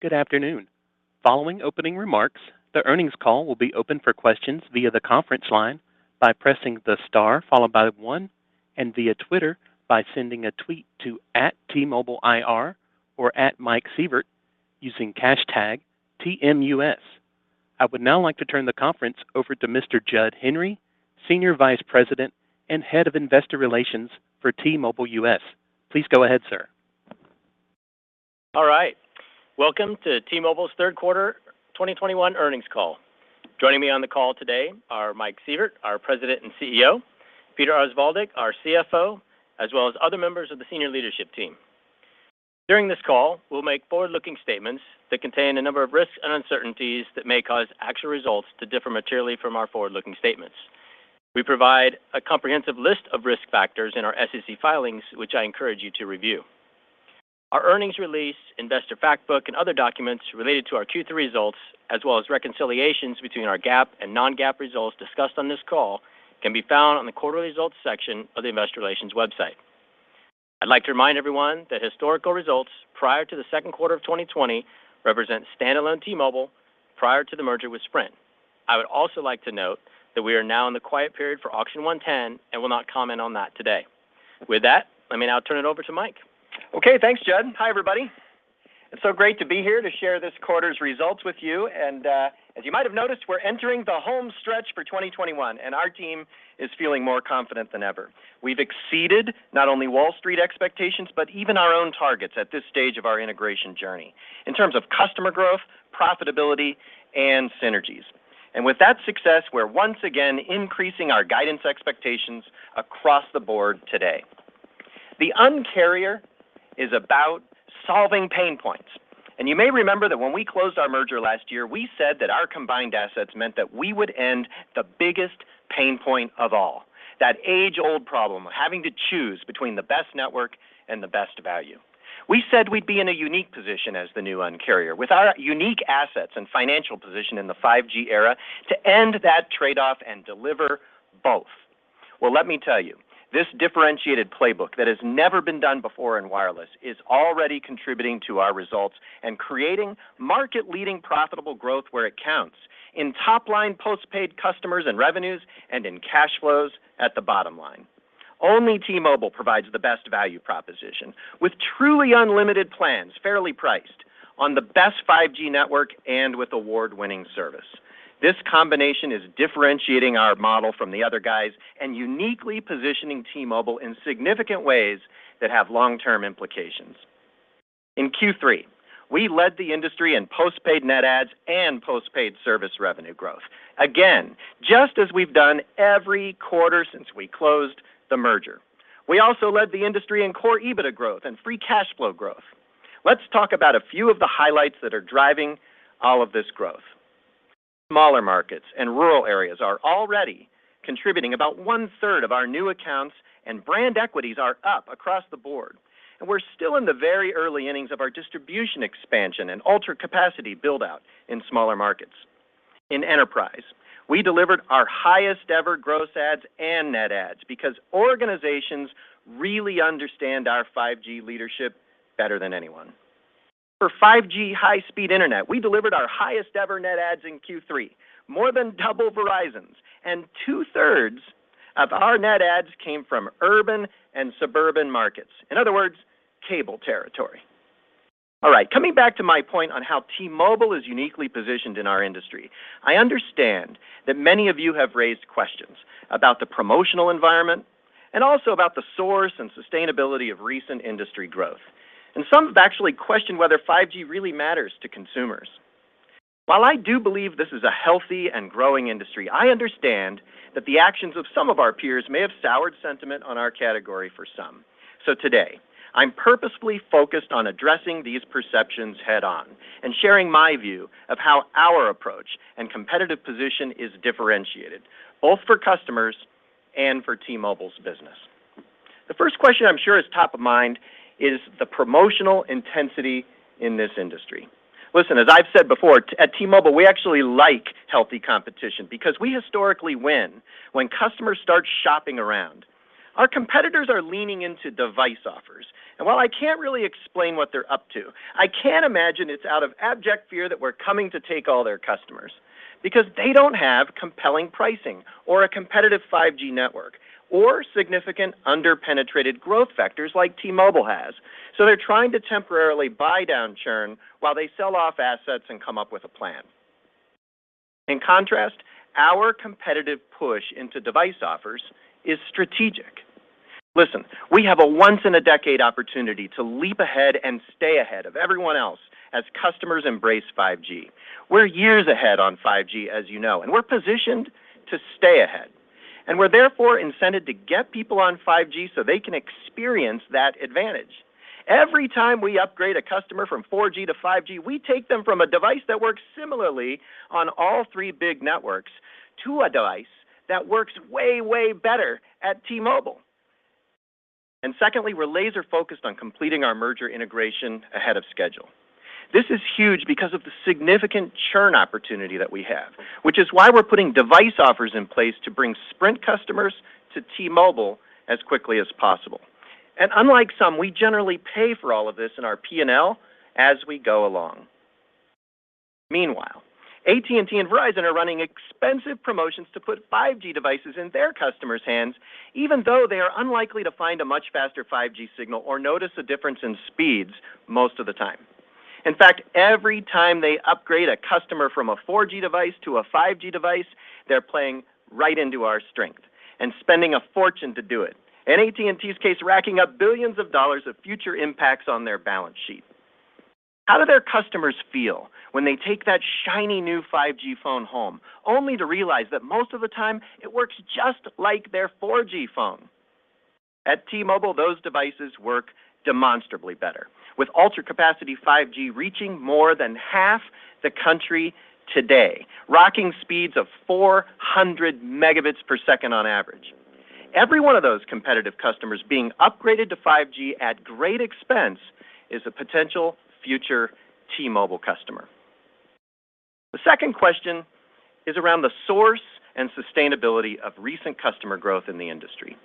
Good afternoon. Following opening remarks, the earnings call will be open for questions via the conference line by pressing the star followed by one, and via Twitter by sending a tweet to @TMobileIR or @MikeSievert using #TMUS. I would now like to turn the conference over to Mr. Jud Henry, Senior Vice President and Head of Investor Relations for T-Mobile US. Please go ahead, sir. All right. Welcome to T-Mobile's third quarter 2021 earnings call. Joining me on the call today are Mike Sievert, our President and CEO, Peter Osvaldik, our CFO, as well as other members of the senior leadership team. During this call, we'll make forward-looking statements that contain a number of risks and uncertainties that may cause actual results to differ materially from our forward-looking statements. We provide a comprehensive list of risk factors in our SEC filings, which I encourage you to review. Our earnings release, investor fact book, and other documents related to our Q3 results, as well as reconciliations between our GAAP and non-GAAP results discussed on this call, can be found on the quarterly results section of the Investor Relations website. I'd like to remind everyone that historical results prior to the second quarter of 2020 represent standalone T-Mobile prior to the merger with Sprint. I would also like to note that we are now in the quiet period for Auction 110 and will not comment on that today. With that, let me now turn it over to Mike. Okay, thanks Jud. Hi, everybody. It's so great to be here to share this quarter's results with you. As you might have noticed, we're entering the home stretch for 2021, and our team is feeling more confident than ever. We've exceeded not only Wall Street expectations, but even our own targets at this stage of our integration journey in terms of customer growth, profitability, and synergies. With that success, we're once again increasing our guidance expectations across the board today. The Un-carrier is about solving pain points. You may remember that when we closed our merger last year, we said that our combined assets meant that we would end the biggest pain point of all, that age-old problem of having to choose between the best network and the best value. We said we'd be in a unique position as the new Un-carrier with our unique assets and financial position in the 5G era to end that trade-off and deliver both. Well, let me tell you, this differentiated playbook that has never been done before in wireless is already contributing to our results and creating market-leading profitable growth where it counts in top line postpaid customers and revenues and in cash flows at the bottom line. Only T-Mobile provides the best value proposition with truly unlimited plans, fairly priced on the best 5G network and with award-winning service. This combination is differentiating our model from the other guys and uniquely positioning T-Mobile in significant ways that have long-term implications. In Q3, we led the industry in postpaid net adds and postpaid service revenue growth. Again, just as we've done every quarter since we closed the merger. We also led the industry in core EBITDA growth and free cash flow growth. Let's talk about a few of the highlights that are driving all of this growth. Smaller markets and rural areas are already contributing about 1/3 of our new accounts, and brand equities are up across the board. We're still in the very early innings of our distribution expansion and ultra capacity build out in smaller markets. In enterprise, we delivered our highest ever gross adds and net adds because organizations really understand our 5G leadership better than anyone. For 5G high-speed internet, we delivered our highest ever net adds in Q3, more than double Verizon's, and 2/3 of our net adds came from urban and suburban markets. In other words, cable territory. All right. Coming back to my point on how T-Mobile is uniquely positioned in our industry. I understand that many of you have raised questions about the promotional environment and also about the source and sustainability of recent industry growth. Some have actually questioned whether 5G really matters to consumers. While I do believe this is a healthy and growing industry, I understand that the actions of some of our peers may have soured sentiment on our category for some. Today, I'm purposefully focused on addressing these perceptions head on and sharing my view of how our approach and competitive position is differentiated, both for customers and for T-Mobile's business. The first question I'm sure is top of mind is the promotional intensity in this industry. Listen, as I've said before, at T-Mobile, we actually like healthy competition because we historically win when customers start shopping around. Our competitors are leaning into device offers. While I can't really explain what they're up to, I can imagine it's out of abject fear that we're coming to take all their customers because they don't have compelling pricing or a competitive 5G network or significant under-penetrated growth vectors like T-Mobile has. They're trying to temporarily buy down churn while they sell off assets and come up with a plan. In contrast, our competitive push into device offers is strategic. Listen, we have a once in a decade opportunity to leap ahead and stay ahead of everyone else as customers embrace 5G. We're years ahead on 5G as you know, and we're positioned to stay ahead. We're therefore incented to get people on 5G so they can experience that advantage. Every time we upgrade a customer from 4G to 5G, we take them from a device that works similarly on all three big networks to a device that works way better at T-Mobile. Secondly, we're laser focused on completing our merger integration ahead of schedule. This is huge because of the significant churn opportunity that we have, which is why we're putting device offers in place to bring Sprint customers to T-Mobile as quickly as possible. Unlike some, we generally pay for all of this in our P&L as we go along. Meanwhile, AT&T and Verizon are running expensive promotions to put 5G devices in their customers' hands, even though they are unlikely to find a much faster 5G signal or notice a difference in speeds most of the time. In fact, every time they upgrade a customer from a 4G device to a 5G device, they're playing right into our strength and spending a fortune to do it. In AT&T's case, racking up billions of dollars of future impacts on their balance sheet. How do their customers feel when they take that shiny new 5G phone home, only to realize that most of the time it works just like their 4G phone? At T-Mobile, those devices work demonstrably better. With Ultra Capacity 5G reaching more than half the country today, clocking speeds of 400 Mbps on average. Every one of those competitive customers being upgraded to 5G at great expense is a potential future T-Mobile customer. The second question is around the source and sustainability of recent customer growth in the industry.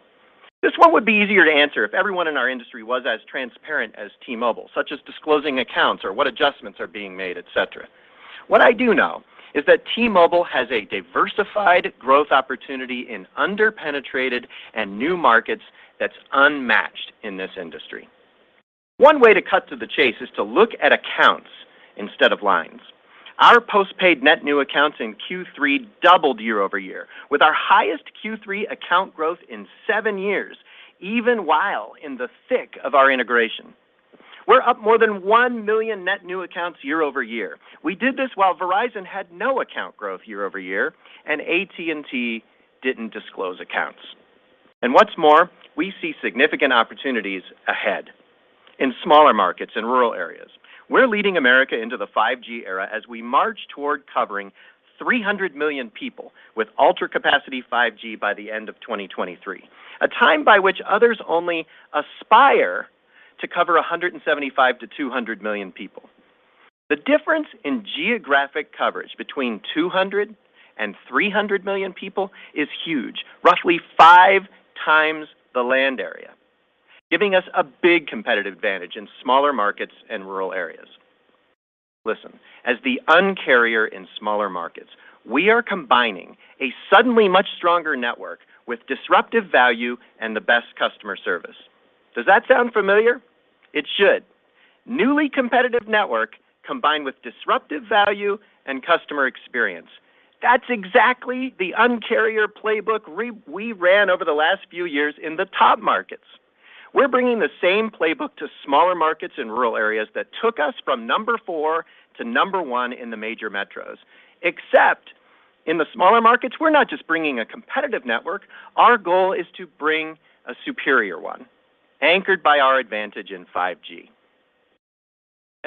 This one would be easier to answer if everyone in our industry was as transparent as T-Mobile, such as disclosing accounts or what adjustments are being made, et cetera. What I do know is that T-Mobile has a diversified growth opportunity in under-penetrated and new markets that's unmatched in this industry. One way to cut to the chase is to look at accounts instead of lines. Our postpaid net new accounts in Q3 doubled year-over-year, with our highest Q3 account growth in seven years, even while in the thick of our integration. We're up more than 1 million net new accounts year-over-year. We did this while Verizon had no account growth year-over-year, and AT&T didn't disclose accounts. What's more, we see significant opportunities ahead in smaller markets and rural areas. We're leading America into the 5G era as we march toward covering 300 million people with Ultra Capacity 5G by the end of 2023, a time by which others only aspire to cover 175-200 million people. The difference in geographic coverage between 200 and 300 million people is huge. Roughly five times the land area, giving us a big competitive advantage in smaller markets and rural areas. Listen, as the Un-carrier in smaller markets, we are combining a suddenly much stronger network with disruptive value and the best customer service. Does that sound familiar? It should. Newly competitive network combined with disruptive value and customer experience. That's exactly the Un-carrier playbook we ran over the last few years in the top markets. We're bringing the same playbook to smaller markets and rural areas that took us from number four to number one in the major metros. Except in the smaller markets, we're not just bringing a competitive network, our goal is to bring a superior one, anchored by our advantage in 5G.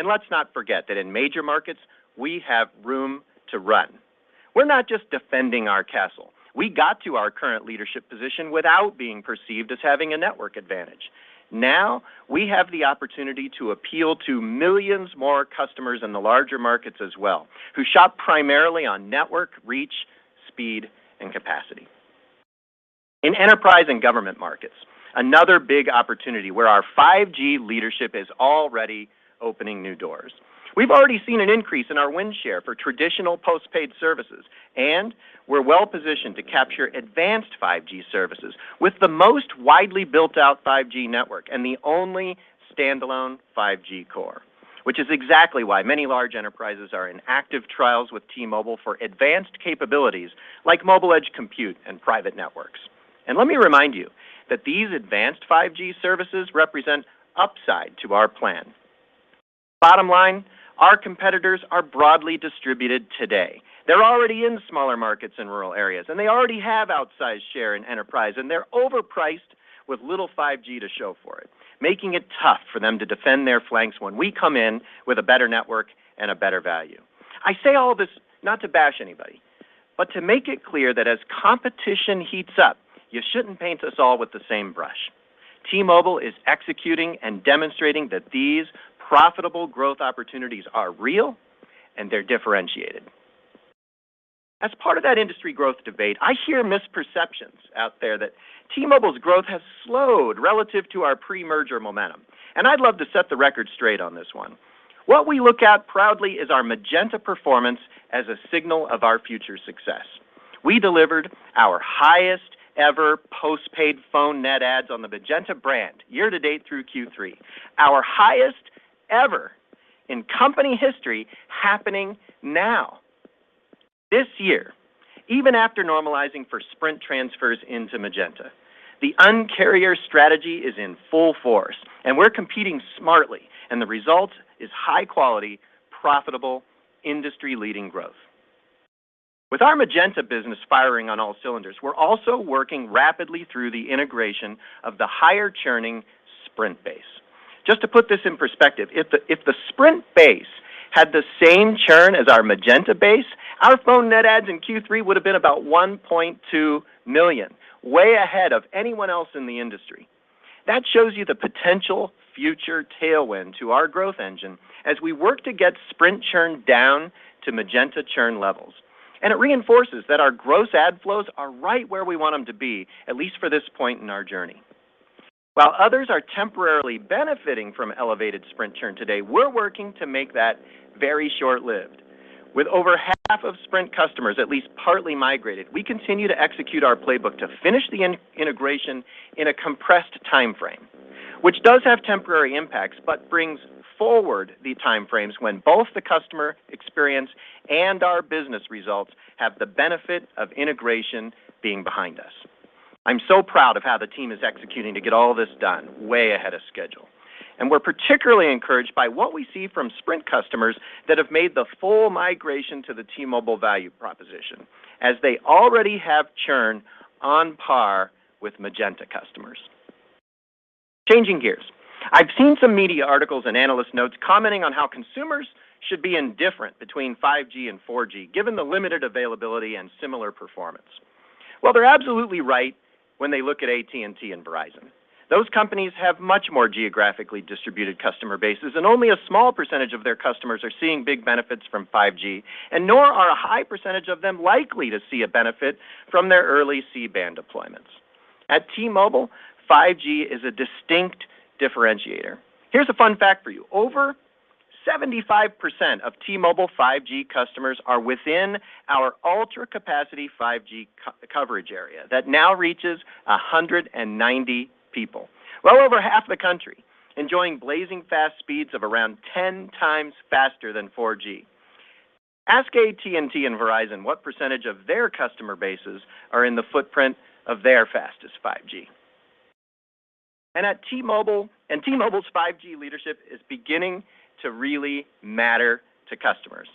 Let's not forget that in major markets, we have room to run. We're not just defending our castle. We got to our current leadership position without being perceived as having a network advantage. Now, we have the opportunity to appeal to millions more customers in the larger markets as well, who shop primarily on network reach, speed, and capacity. In enterprise and government markets, another big opportunity where our 5G leadership is already opening new doors. We've already seen an increase in our win share for traditional postpaid services, and we're well-positioned to capture advanced 5G services with the most widely built-out 5G network and the only standalone 5G core, which is exactly why many large enterprises are in active trials with T-Mobile for advanced capabilities like mobile edge compute and private networks. Let me remind you that these advanced 5G services represent upside to our plan. Bottom line, our competitors are broadly distributed today. They're already in smaller markets and rural areas, and they already have outsized share in enterprise, and they're overpriced with little 5G to show for it, making it tough for them to defend their flanks when we come in with a better network and a better value. I say all this not to bash anybody, but to make it clear that as competition heats up, you shouldn't paint us all with the same brush. T-Mobile is executing and demonstrating that these profitable growth opportunities are real, and they're differentiated. As part of that industry growth debate, I hear misperceptions out there that T-Mobile's growth has slowed relative to our pre-merger momentum, and I'd love to set the record straight on this one. What we look at proudly is our Magenta performance as a signal of our future success. We delivered our highest ever postpaid phone net adds on the Magenta brand year-to-date through Q3, our highest ever in company history happening now. This year, even after normalizing for Sprint transfers into Magenta, the Un-carrier strategy is in full force, and we're competing smartly, and the result is high-quality, profitable, industry-leading growth. With our Magenta business firing on all cylinders, we're also working rapidly through the integration of the higher-churning Sprint base. Just to put this in perspective, if the Sprint base had the same churn as our Magenta base, our phone net adds in Q3 would have been about 1.2 million, way ahead of anyone else in the industry. That shows you the potential future tailwind to our growth engine as we work to get Sprint churn down to Magenta churn levels. It reinforces that our gross adds are right where we want them to be, at least for this point in our journey. While others are temporarily benefiting from elevated Sprint churn today, we're working to make that very short-lived. With over half of Sprint customers at least partly migrated, we continue to execute our playbook to finish the integration in a compressed time frame, which does have temporary impacts, but brings forward the time frames when both the customer experience and our business results have the benefit of integration being behind us. I'm so proud of how the team is executing to get all this done way ahead of schedule. We're particularly encouraged by what we see from Sprint customers that have made the full migration to the T-Mobile value proposition, as they already have churn on par with Magenta customers. Changing gears. I've seen some media articles and analyst notes commenting on how consumers should be indifferent between 5G and 4G given the limited availability and similar performance. Well, they're absolutely right when they look at AT&T and Verizon. Those companies have much more geographically distributed customer bases, and only a small percentage of their customers are seeing big benefits from 5G, and nor are a high percentage of them likely to see a benefit from their early C-band deployments. At T-Mobile, 5G is a distinct differentiator. Here's a fun fact for you. Over 75% of T-Mobile 5G customers are within our Ultra Capacity 5G coverage area that now reaches 190 million people. Well over half the country enjoying blazing fast speeds of around 10 times faster than 4G. Ask AT&T and Verizon what percentage of their customer bases are in the footprint of their fastest 5G. At T-Mobile, T-Mobile's 5G leadership is beginning to really matter to customers.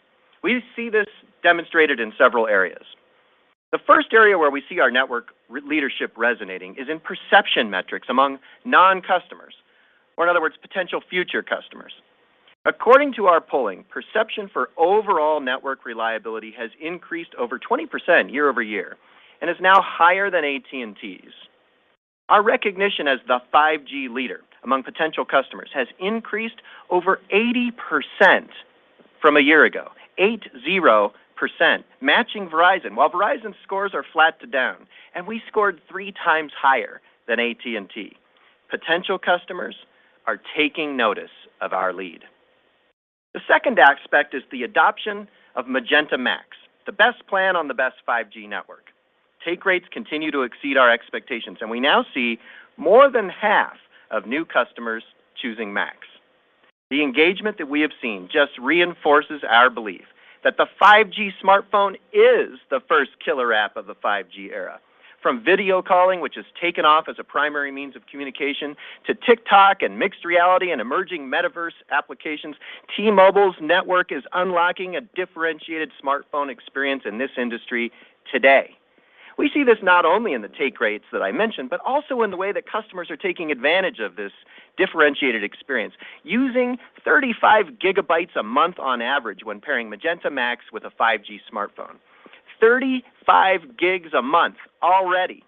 We see this demonstrated in several areas. The first area where we see our network leadership resonating is in perception metrics among non-customers, or in other words, potential future customers. According to our polling, perception for overall network reliability has increased over 20% year-over-year and is now higher than AT&T's. Our recognition as the 5G leader among potential customers has increased over 80% from a year ago. 80% matching Verizon, while Verizon's scores are flat to down, and we scored three times higher than AT&T. Potential customers are taking notice of our lead. The second aspect is the adoption of Magenta MAX, the best plan on the best 5G network. Take rates continue to exceed our expectations, and we now see more than half of new customers choosing MAX. The engagement that we have seen just reinforces our belief that the 5G smartphone is the first killer app of the 5G era. From video calling, which has taken off as a primary means of communication, to TikTok and mixed reality and emerging metaverse applications, T-Mobile's network is unlocking a differentiated smartphone experience in this industry today. We see this not only in the take rates that I mentioned, but also in the way that customers are taking advantage of this differentiated experience, using 35 GB a month on average when pairing Magenta MAX with a 5G smartphone. 35 GB a month already.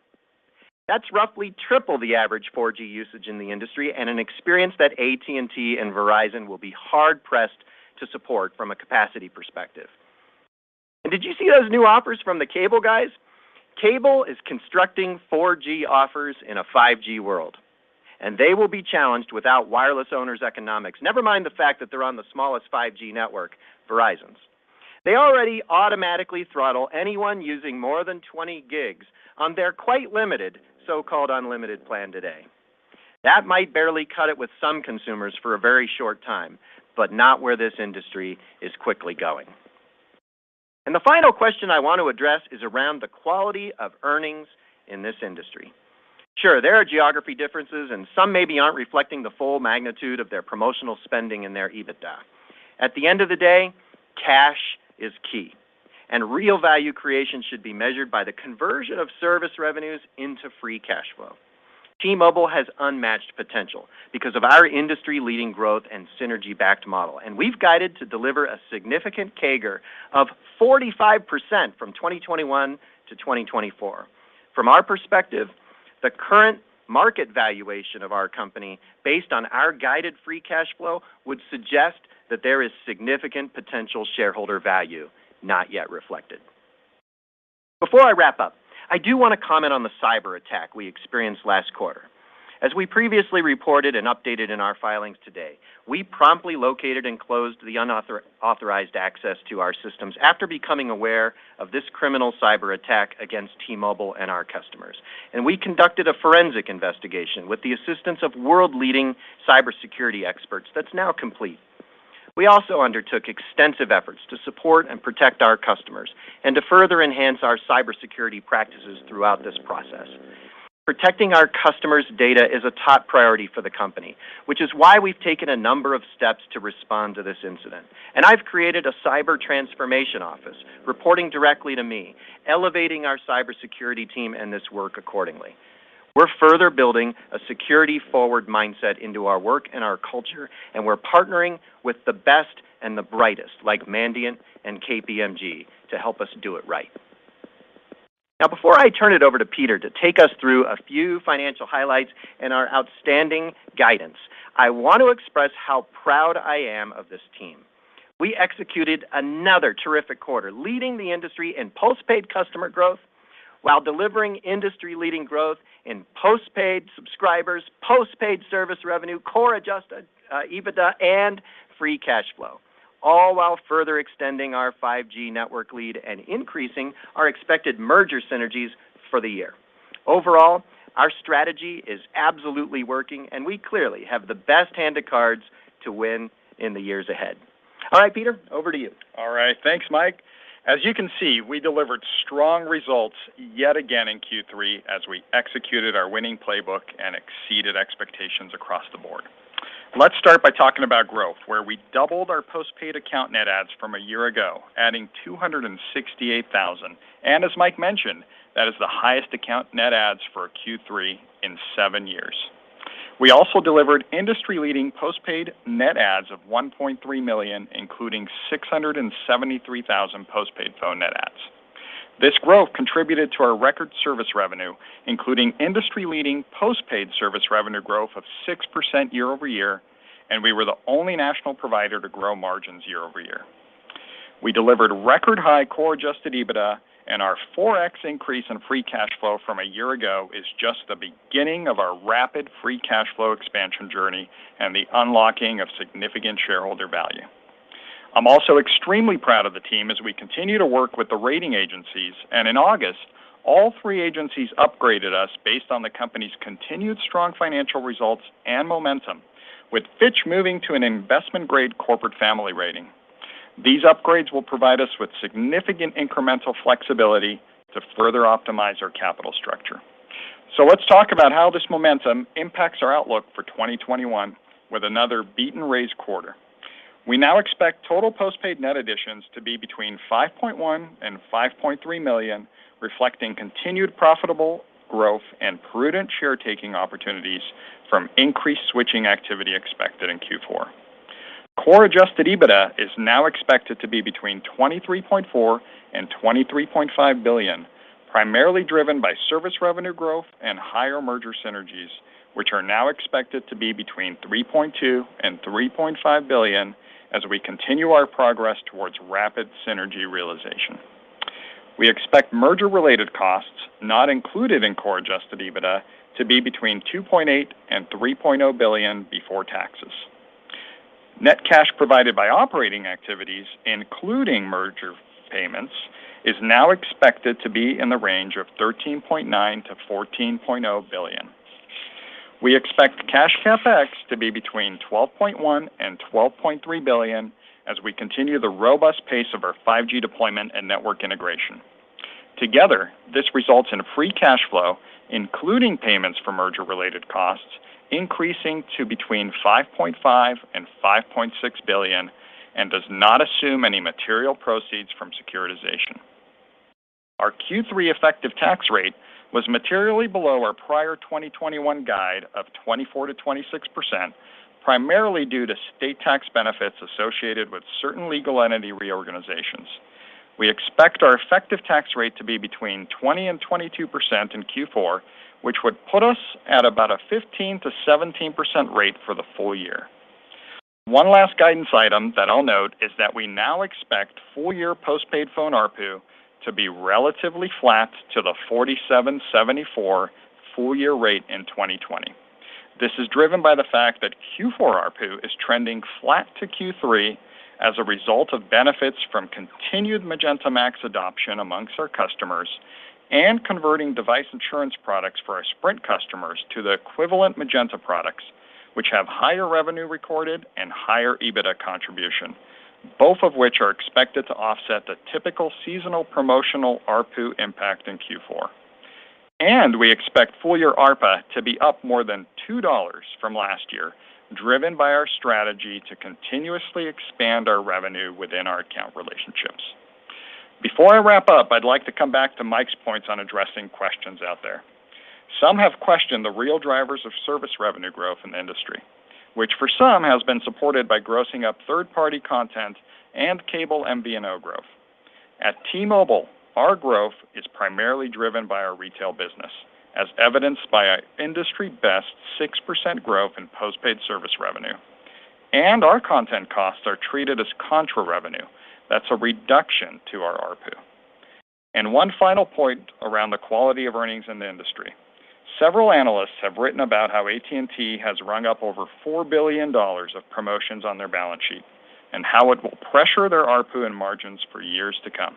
That's roughly triple the average 4G usage in the industry and an experience that AT&T and Verizon will be hard-pressed to support from a capacity perspective. Did you see those new offers from the cable guys? Cable is constructing 4G offers in a 5G world, and they will be challenged without wireless owners economics. Never mind the fact that they're on the smallest 5G network, Verizon's. They already automatically throttle anyone using more than 20 gigs on their quite limited so-called unlimited plan today. That might barely cut it with some consumers for a very short time, but not where this industry is quickly going. The final question I want to address is around the quality of earnings in this industry. Sure, there are geography differences, and some maybe aren't reflecting the full magnitude of their promotional spending in their EBITDA. At the end of the day, cash is key, and real value creation should be measured by the conversion of service revenues into free cash flow. T-Mobile has unmatched potential because of our industry-leading growth and synergy-backed model, and we've guided to deliver a significant CAGR of 45% from 2021-2024. From our perspective, the current market valuation of our company based on our guided free cash flow would suggest that there is significant potential shareholder value not yet reflected. Before I wrap up, I do want to comment on the cyberattack we experienced last quarter. As we previously reported and updated in our filings today, we promptly located and closed the unauthorized access to our systems after becoming aware of this criminal cyberattack against T-Mobile and our customers. We conducted a forensic investigation with the assistance of world-leading cybersecurity experts that's now complete. We also undertook extensive efforts to support and protect our customers and to further enhance our cybersecurity practices throughout this process. Protecting our customers' data is a top priority for the company, which is why we've taken a number of steps to respond to this incident. I've created a Cyber Transformation Office reporting directly to me, elevating our cybersecurity team and this work accordingly. We're further building a security-forward mindset into our work and our culture, and we're partnering with the best and the brightest like Mandiant and KPMG to help us do it right. Now, before I turn it over to Peter to take us through a few financial highlights and our outstanding guidance, I want to express how proud I am of this team. We executed another terrific quarter, leading the industry in postpaid customer growth while delivering industry-leading growth in postpaid subscribers, postpaid service revenue, Core Adjusted EBITDA, and free cash flow, all while further extending our 5G network lead and increasing our expected merger synergies for the year. Overall, our strategy is absolutely working, and we clearly have the best hand of cards to win in the years ahead. All right, Peter, over to you. All right. Thanks, Mike. As you can see, we delivered strong results yet again in Q3 as we executed our winning playbook and exceeded expectations across the board. Let's start by talking about growth, where we doubled our postpaid account net adds from a year ago, adding 268,000. As Mike mentioned, that is the highest account net adds for a Q3 in seven years. We also delivered industry-leading postpaid net adds of 1.3 million, including 673,000 postpaid phone net adds. This growth contributed to our record service revenue, including industry-leading postpaid service revenue growth of 6% year-over-year, and we were the only national provider to grow margins year-over-year. We delivered record-high Core Adjusted EBITDA, and our 4x increase in free cash flow from a year ago is just the beginning of our rapid free cash flow expansion journey and the unlocking of significant shareholder value. I'm also extremely proud of the team as we continue to work with the rating agencies. In August, all three agencies upgraded us based on the company's continued strong financial results and momentum, with Fitch moving to an investment-grade corporate family rating. These upgrades will provide us with significant incremental flexibility to further optimize our capital structure. Let's talk about how this momentum impacts our outlook for 2021 with another beat and raise quarter. We now expect total postpaid net additions to be between 5.1 million and 5.3 million, reflecting continued profitable growth and prudent share taking opportunities from increased switching activity expected in Q4. Core Adjusted EBITDA is now expected to be between $23.4 billion and $23.5 billion, primarily driven by service revenue growth and higher merger synergies, which are now expected to be between $3.2 billion and $3.5 billion as we continue our progress towards rapid synergy realization. We expect merger-related costs, not included in Core Adjusted EBITDA, to be between $2.8 billion and $3.0 billion before taxes. Net cash provided by operating activities, including merger payments, is now expected to be in the range of $13.9 billion-$14.0 billion. We expect cash CapEx to be between $12.1 billion and $12.3 billion as we continue the robust pace of our 5G deployment and network integration. Together, this results in a free cash flow, including payments for merger-related costs, increasing to between $5.5 billion-$5.6 billion and does not assume any material proceeds from securitization. Our Q3 effective tax rate was materially below our prior 2021 guide of 24%-26%, primarily due to state tax benefits associated with certain legal entity reorganizations. We expect our effective tax rate to be between 20%-22% in Q4, which would put us at about a 15%-17% rate for the full year. One last guidance item that I'll note is that we now expect full-year postpaid phone ARPU to be relatively flat to the 47.74 full-year rate in 2020. This is driven by the fact that Q4 ARPU is trending flat to Q3 as a result of benefits from continued Magenta MAX adoption amongst our customers and converting device insurance products for our Sprint customers to the equivalent Magenta products, which have higher revenue recorded and higher EBITDA contribution, both of which are expected to offset the typical seasonal promotional ARPU impact in Q4. We expect full-year ARPA to be up more than $2 from last year, driven by our strategy to continuously expand our revenue within our account relationships. Before I wrap up, I'd like to come back to Mike's points on addressing questions out there. Some have questioned the real drivers of service revenue growth in the industry, which for some has been supported by grossing up third-party content and cable MVNO growth. At T-Mobile, our growth is primarily driven by our retail business, as evidenced by our industry-best 6% growth in postpaid service revenue. Our content costs are treated as contra revenue. That's a reduction to our ARPU. One final point around the quality of earnings in the industry. Several analysts have written about how AT&T has rung up over $4 billion of promotions on their balance sheet and how it will pressure their ARPU and margins for years to come.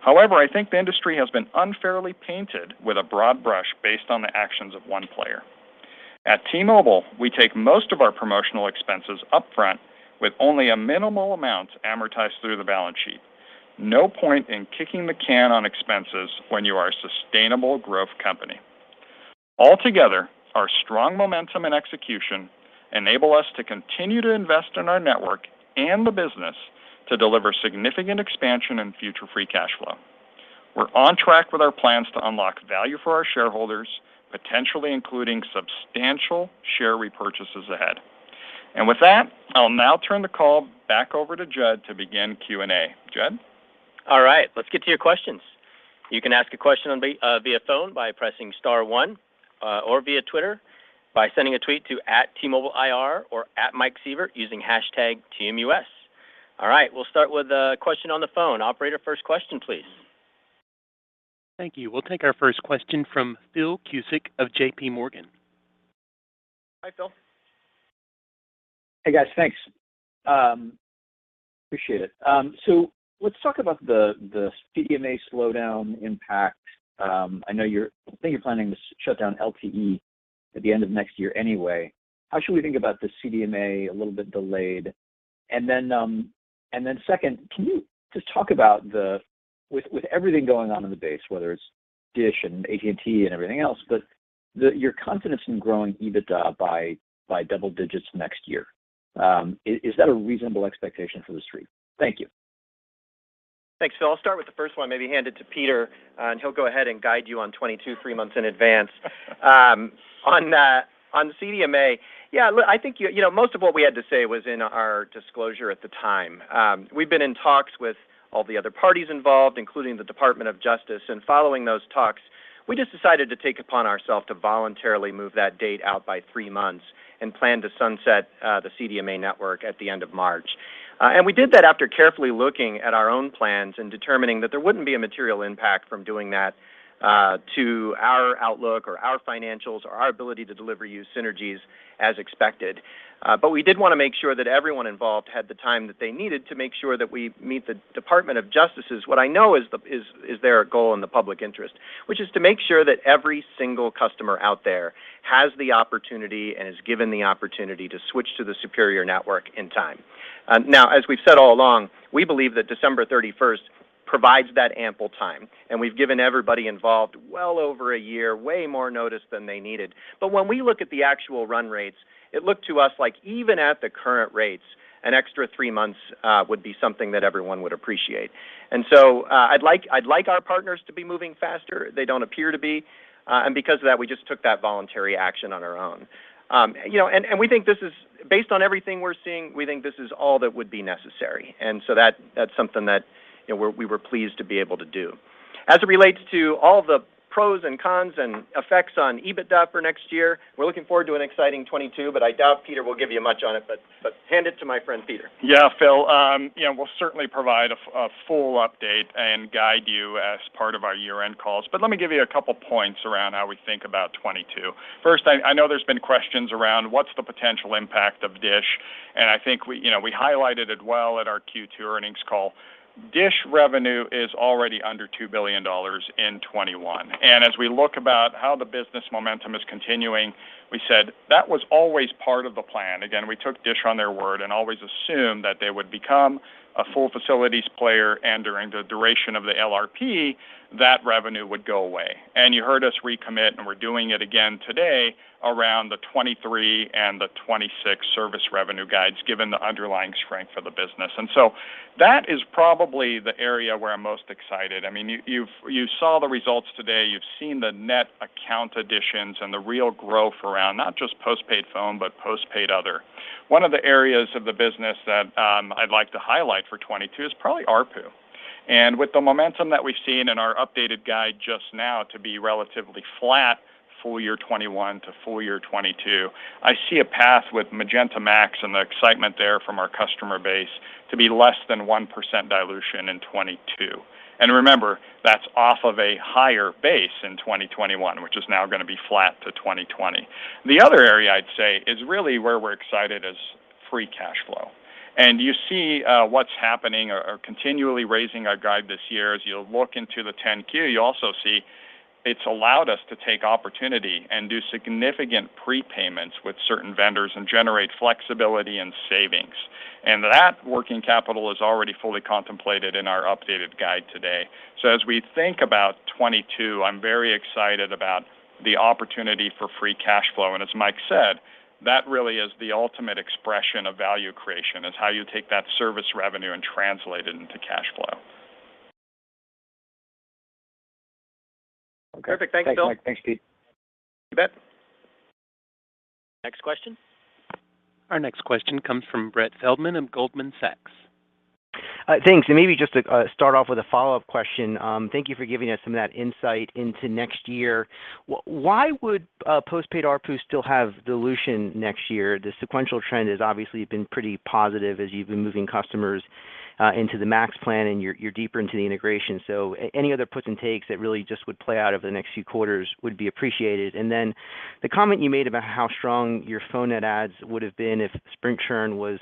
However, I think the industry has been unfairly painted with a broad brush based on the actions of one player. At T-Mobile, we take most of our promotional expenses upfront with only a minimal amount amortized through the balance sheet. No point in kicking the can on expenses when you are a sustainable growth company. Altogether, our strong momentum and execution enable us to continue to invest in our network and the business to deliver significant expansion in future free cash flow. We're on track with our plans to unlock value for our shareholders, potentially including substantial share repurchases ahead. With that, I'll now turn the call back over to Jud to begin Q&A. Jud? All right. Let's get to your questions. You can ask a question via phone by pressing star one, or via Twitter by sending a tweet to @T-MobileIR or @MikeSievert using hashtag TMUS. All right, we'll start with a question on the phone. Operator, first question please. Thank you. We'll take our first question from Philip Cusick of JPMorgan. Hi, Phil. Hey, guys. Thanks. Appreciate it. Let's talk about the CDMA slowdown impact. I know, I think you're planning to shut down LTE at the end of next year anyway. How should we think about the CDMA a little bit delayed? Second, can you just talk about, with everything going on in the space, whether it's Dish and AT&T and everything else, but your confidence in growing EBITDA by double digits next year, is that a reasonable expectation for the Street? Thank you. Thanks, Phil. I'll start with the first one, maybe hand it to Peter, and he'll go ahead and guide you on 2023, two-three months in advance. On CDMA, yeah, look, I think you know, most of what we had to say was in our disclosure at the time. We've been in talks with all the other parties involved, including the Department of Justice, and following those talks, we just decided to take upon ourselves to voluntarily move that date out by three months and plan to sunset the CDMA network at the end of March. We did that after carefully looking at our own plans and determining that there wouldn't be a material impact from doing that to our outlook or our financials or our ability to deliver you synergies as expected. We did wanna make sure that everyone involved had the time that they needed to make sure that we meet the Department of Justice's, what I know is their goal in the public interest, which is to make sure that every single customer out there has the opportunity and is given the opportunity to switch to the superior network in time. Now, as we've said all along, we believe that December 31 provides that ample time, and we've given everybody involved well over a year, way more notice than they needed. When we look at the actual run rates, it looked to us like even at the current rates, an extra three months would be something that everyone would appreciate. I'd like our partners to be moving faster. They don't appear to be. Because of that, we just took that voluntary action on our own. You know, we think this is based on everything we're seeing, we think this is all that would be necessary. That's something that, you know, we were pleased to be able to do. As it relates to all the pros and cons and effects on EBITDA for next year, we're looking forward to an exciting 2022, but I doubt Peter will give you much on it, but hand it to my friend Peter. Yeah, Phil. You know, we'll certainly provide a full update and guide you as part of our year-end calls, but let me give you a couple points around how we think about 2022. First, I know there's been questions around what's the potential impact of Dish, and I think we, you know, we highlighted it well at our Q2 earnings call. Dish revenue is already under $2 billion in 2021. As we look about how the business momentum is continuing, we said that was always part of the plan. Again, we took Dish on their word and always assumed that they would become a full facilities player and during the duration of the LRP, that revenue would go away. You heard us recommit, and we're doing it again today, around the 2023 and the 2026 service revenue guides given the underlying strength of the business. That is probably the area where I'm most excited. I mean, you saw the results today, you've seen the net account additions and the real growth around not just postpaid phone, but postpaid other. One of the areas of the business that I'd like to highlight for 2022 is probably ARPU. With the momentum that we've seen in our updated guide just now to be relatively flat full year 2021 to full year 2022, I see a path with Magenta MAX and the excitement there from our customer base to be less than 1% dilution in 2022. Remember, that's off of a higher base in 2021, which is now gonna be flat to 2020. The other area I'd say is really where we're excited is free cash flow. You see what's happening or continually raising our guide this year. As you look into the 10-Q, you also see it's allowed us to take opportunity and do significant prepayments with certain vendors and generate flexibility and savings. That working capital is already fully contemplated in our updated guide today. As we think about 2022, I'm very excited about the opportunity for free cash flow. As Mike said, that really is the ultimate expression of value creation. It's how you take that service revenue and translate it into cash flow. Okay. Perfect. Thanks, Phil. Thanks, Mike. Thanks, Peter. You bet. Next question. Our next question comes from Brett Feldman of Goldman Sachs. Thanks, maybe just to start off with a follow-up question. Thank you for giving us some of that insight into next year. Why would postpaid ARPU still have dilution next year? The sequential trend has obviously been pretty positive as you've been moving customers into the MAX plan and you're deeper into the integration. Any other puts and takes that really just would play out over the next few quarters would be appreciated. The comment you made about how strong your phone net adds would have been if Sprint churn was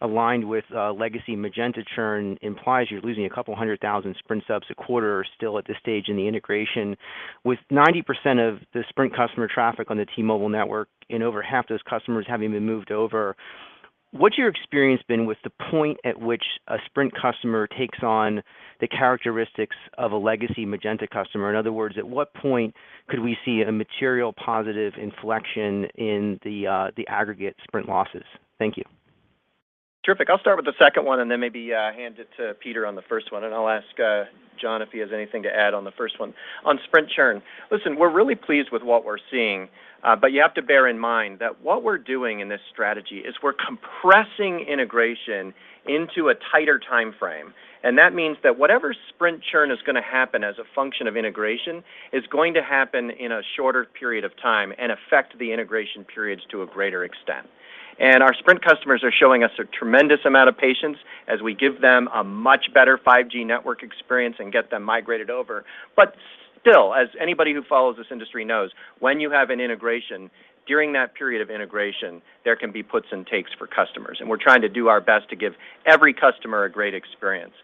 aligned with legacy Magenta churn implies you're losing 200,000 Sprint subs a quarter still at this stage in the integration. With 90% of the Sprint customer traffic on the T-Mobile network and over half those customers having been moved over, what's your experience been with the point at which a Sprint customer takes on the characteristics of a legacy Magenta customer? In other words, at what point could we see a material positive inflection in the aggregate Sprint losses? Thank you. Terrific. I'll start with the second one, and then maybe hand it to Peter on the first one, and I'll ask Jon if he has anything to add on the first one. On Sprint churn, listen, we're really pleased with what we're seeing, but you have to bear in mind that what we're doing in this strategy is we're compressing integration into a tighter timeframe. That means that whatever Sprint churn is gonna happen as a function of integration is going to happen in a shorter period of time and affect the integration periods to a greater extent. Our Sprint customers are showing us a tremendous amount of patience as we give them a much better 5G network experience and get them migrated over. Still, as anybody who follows this industry knows, when you have an integration, during that period of integration, there can be puts and takes for customers, and we're trying to do our best to give every customer a great experience.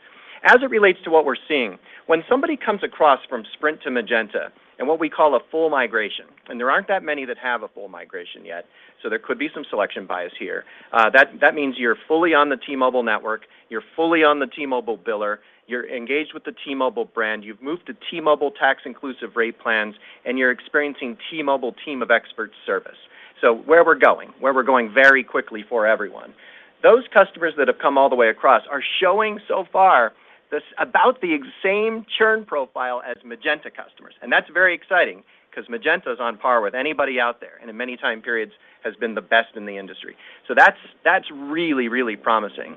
As it relates to what we're seeing, when somebody comes across from Sprint to Magenta in what we call a full migration, and there aren't that many that have a full migration yet, so there could be some selection bias here. That means you're fully on the T-Mobile network, you're fully on the T-Mobile biller, you're engaged with the T-Mobile brand, you've moved to T-Mobile tax-inclusive rate plans, and you're experiencing T-Mobile Team of Experts service. where we're going very quickly for everyone, those customers that have come all the way across are showing so far about the same churn profile as Magenta customers. That's very exciting 'cause Magenta's on par with anybody out there, and in many time periods has been the best in the industry. That's really promising.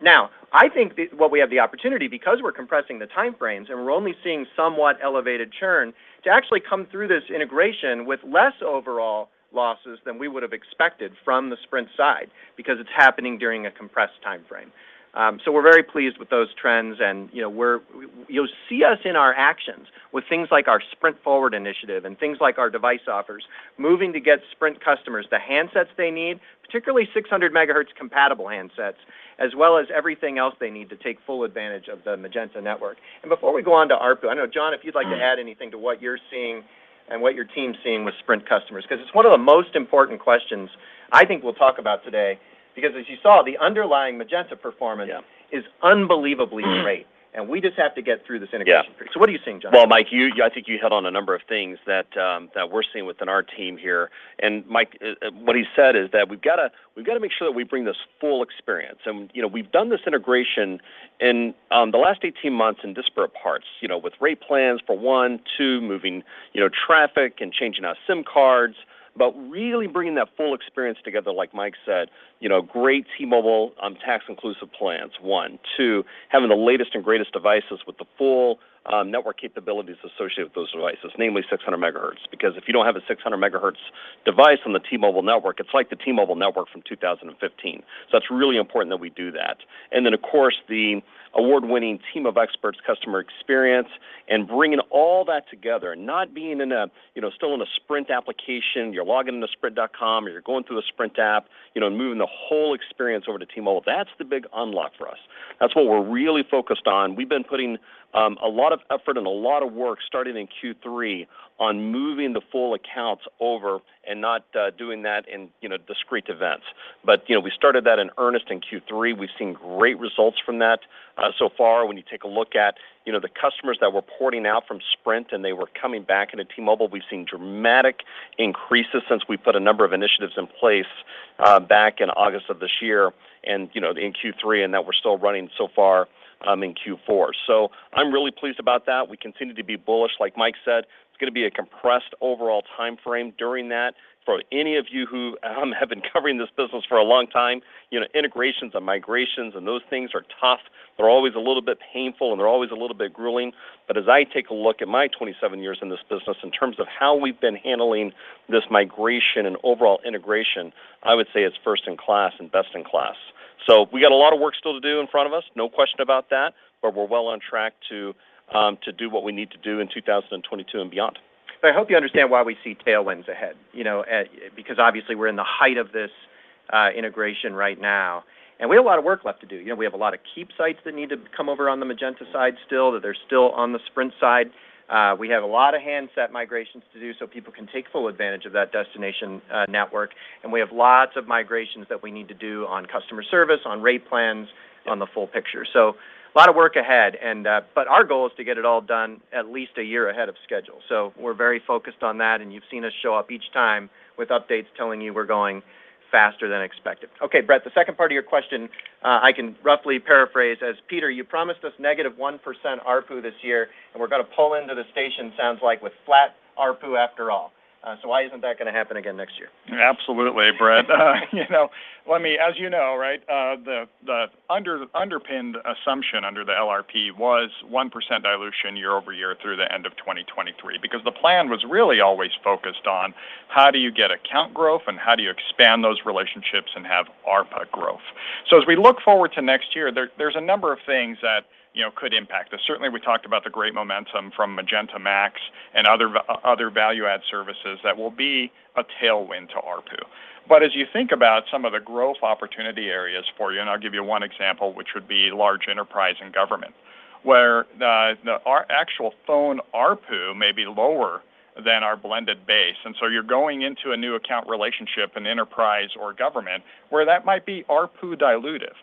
Now I think what we have the opportunity, because we're compressing the timeframes and we're only seeing somewhat elevated churn, to actually come through this integration with less overall losses than we would've expected from the Sprint side because it's happening during a compressed timeframe. We're very pleased with those trends and, you know, you'll see us in our actions with things like our Sprint Forward initiative and things like our device offers, moving to get Sprint customers the handsets they need, particularly 600 MHz compatible handsets, as well as everything else they need to take full advantage of the Magenta network. Before we go on to ARPU, I know, Jon, if you'd like to add anything to what you're seeing and what your team's seeing with Sprint customers. 'Cause it's one of the most important questions I think we'll talk about today. Because as you saw, the underlying Magenta performance- Yeah is unbelievably great. We just have to get through this integration period. Yeah. What are you seeing, Jon? Well, Mike, you, I think you hit on a number of things that we're seeing within our team here. Mike, what he said is that we've gotta make sure that we bring this full experience. You know, we've done this integration in the last 18 months in disparate parts, you know, with rate plans for one. Two, moving, you know, traffic and changing out SIM cards, but really bringing that full experience together, like Mike said, you know, great T-Mobile tax-inclusive plans, one. Two, having the latest and greatest devices with the full network capabilities associated with those devices, namely 600 MHz. Because if you don't have a 600 MHz device on the T-Mobile network, it's like the T-Mobile network from 2015. That's really important that we do that. Then of course, the award-winning Team of Experts customer experience and bringing all that together, not being in, you know, still in a Sprint application. You're logging into sprint.com, or you're going through a Sprint app, you know, moving the whole experience over to T-Mobile. That's the big unlock for us. That's what we're really focused on. We've been putting a lot of effort and a lot of work starting in Q3 on moving the full accounts over and not doing that in, you know, discrete events. You know, we started that in earnest in Q3. We've seen great results from that so far. When you take a look at, you know, the customers that were porting out from Sprint and they were coming back into T-Mobile, we've seen dramatic increases since we put a number of initiatives in place, back in August of this year and, you know, in Q3, and that we're still running so far, in Q4. I'm really pleased about that. We continue to be bullish. Like Mike said, it's gonna be a compressed overall timeframe during that. For any of you who have been covering this business for a long time, you know, integrations and migrations and those things are tough. They're always a little bit painful, and they're always a little bit grueling. As I take a look at my 27 years in this business in terms of how we've been handling this migration and overall integration, I would say it's first in class and best in class. We got a lot of work still to do in front of us, no question about that, but we're well on track to do what we need to do in 2022 and beyond. I hope you understand why we see tailwinds ahead, you know, because obviously we're in the height of this integration right now. We have a lot of work left to do. You know, we have a lot of keep sites that need to come over on the Magenta side still, that they're still on the Sprint side. We have a lot of handset migrations to do so people can take full advantage of that destination network. We have lots of migrations that we need to do on customer service, on rate plans, on the full picture. A lot of work ahead and, but our goal is to get it all done at least a year ahead of schedule. We're very focused on that, and you've seen us show up each time with updates telling you we're going faster than expected. Okay, Brett, the second part of your question, I can roughly paraphrase as, Peter, you promised us -1% ARPU this year, and we're gonna pull into the station, sounds like, with flat ARPU after all. So why isn't that gonna happen again next year? Absolutely, Brett. You know, let me as you know, right, the underpinning assumption under the LRP was 1% dilution year-over-year through the end of 2023 because the plan was really always focused on how do you get account growth and how do you expand those relationships and have ARPU growth. As we look forward to next year, there's a number of things that, you know, could impact us. Certainly, we talked about the great momentum from Magenta MAX and other value-add services that will be a tailwind to ARPU. But as you think about some of the growth opportunity areas for you, and I'll give you one example, which would be large enterprise and government, where our actual phone ARPU may be lower than our blended base. You're going into a new account relationship in enterprise or government where that might be ARPU dilutive.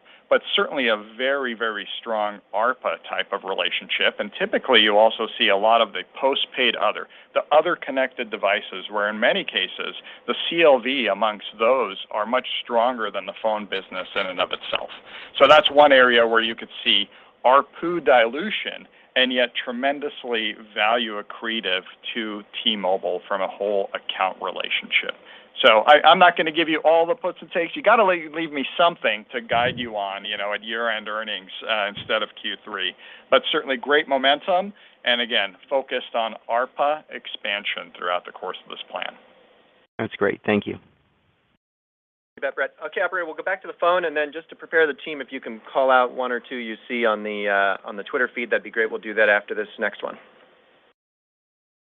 Certainly a very, very strong ARPA type of relationship. Typically, you also see a lot of the postpaid other, the other connected devices, where in many cases, the CLV amongst those are much stronger than the phone business in and of itself. That's one area where you could see ARPU dilution and yet tremendously value accretive to T-Mobile from a whole account relationship. I'm not going to give you all the puts and takes. You got to leave me something to guide you on, you know, at year-end earnings, instead of Q3. Certainly great momentum and again, focused on ARPA expansion throughout the course of this plan. That's great. Thank you. You bet, Brett. Okay, Operator, we'll go back to the phone and then just to prepare the team, if you can call out one or two you see on the Twitter feed, that'd be great. We'll do that after this next one.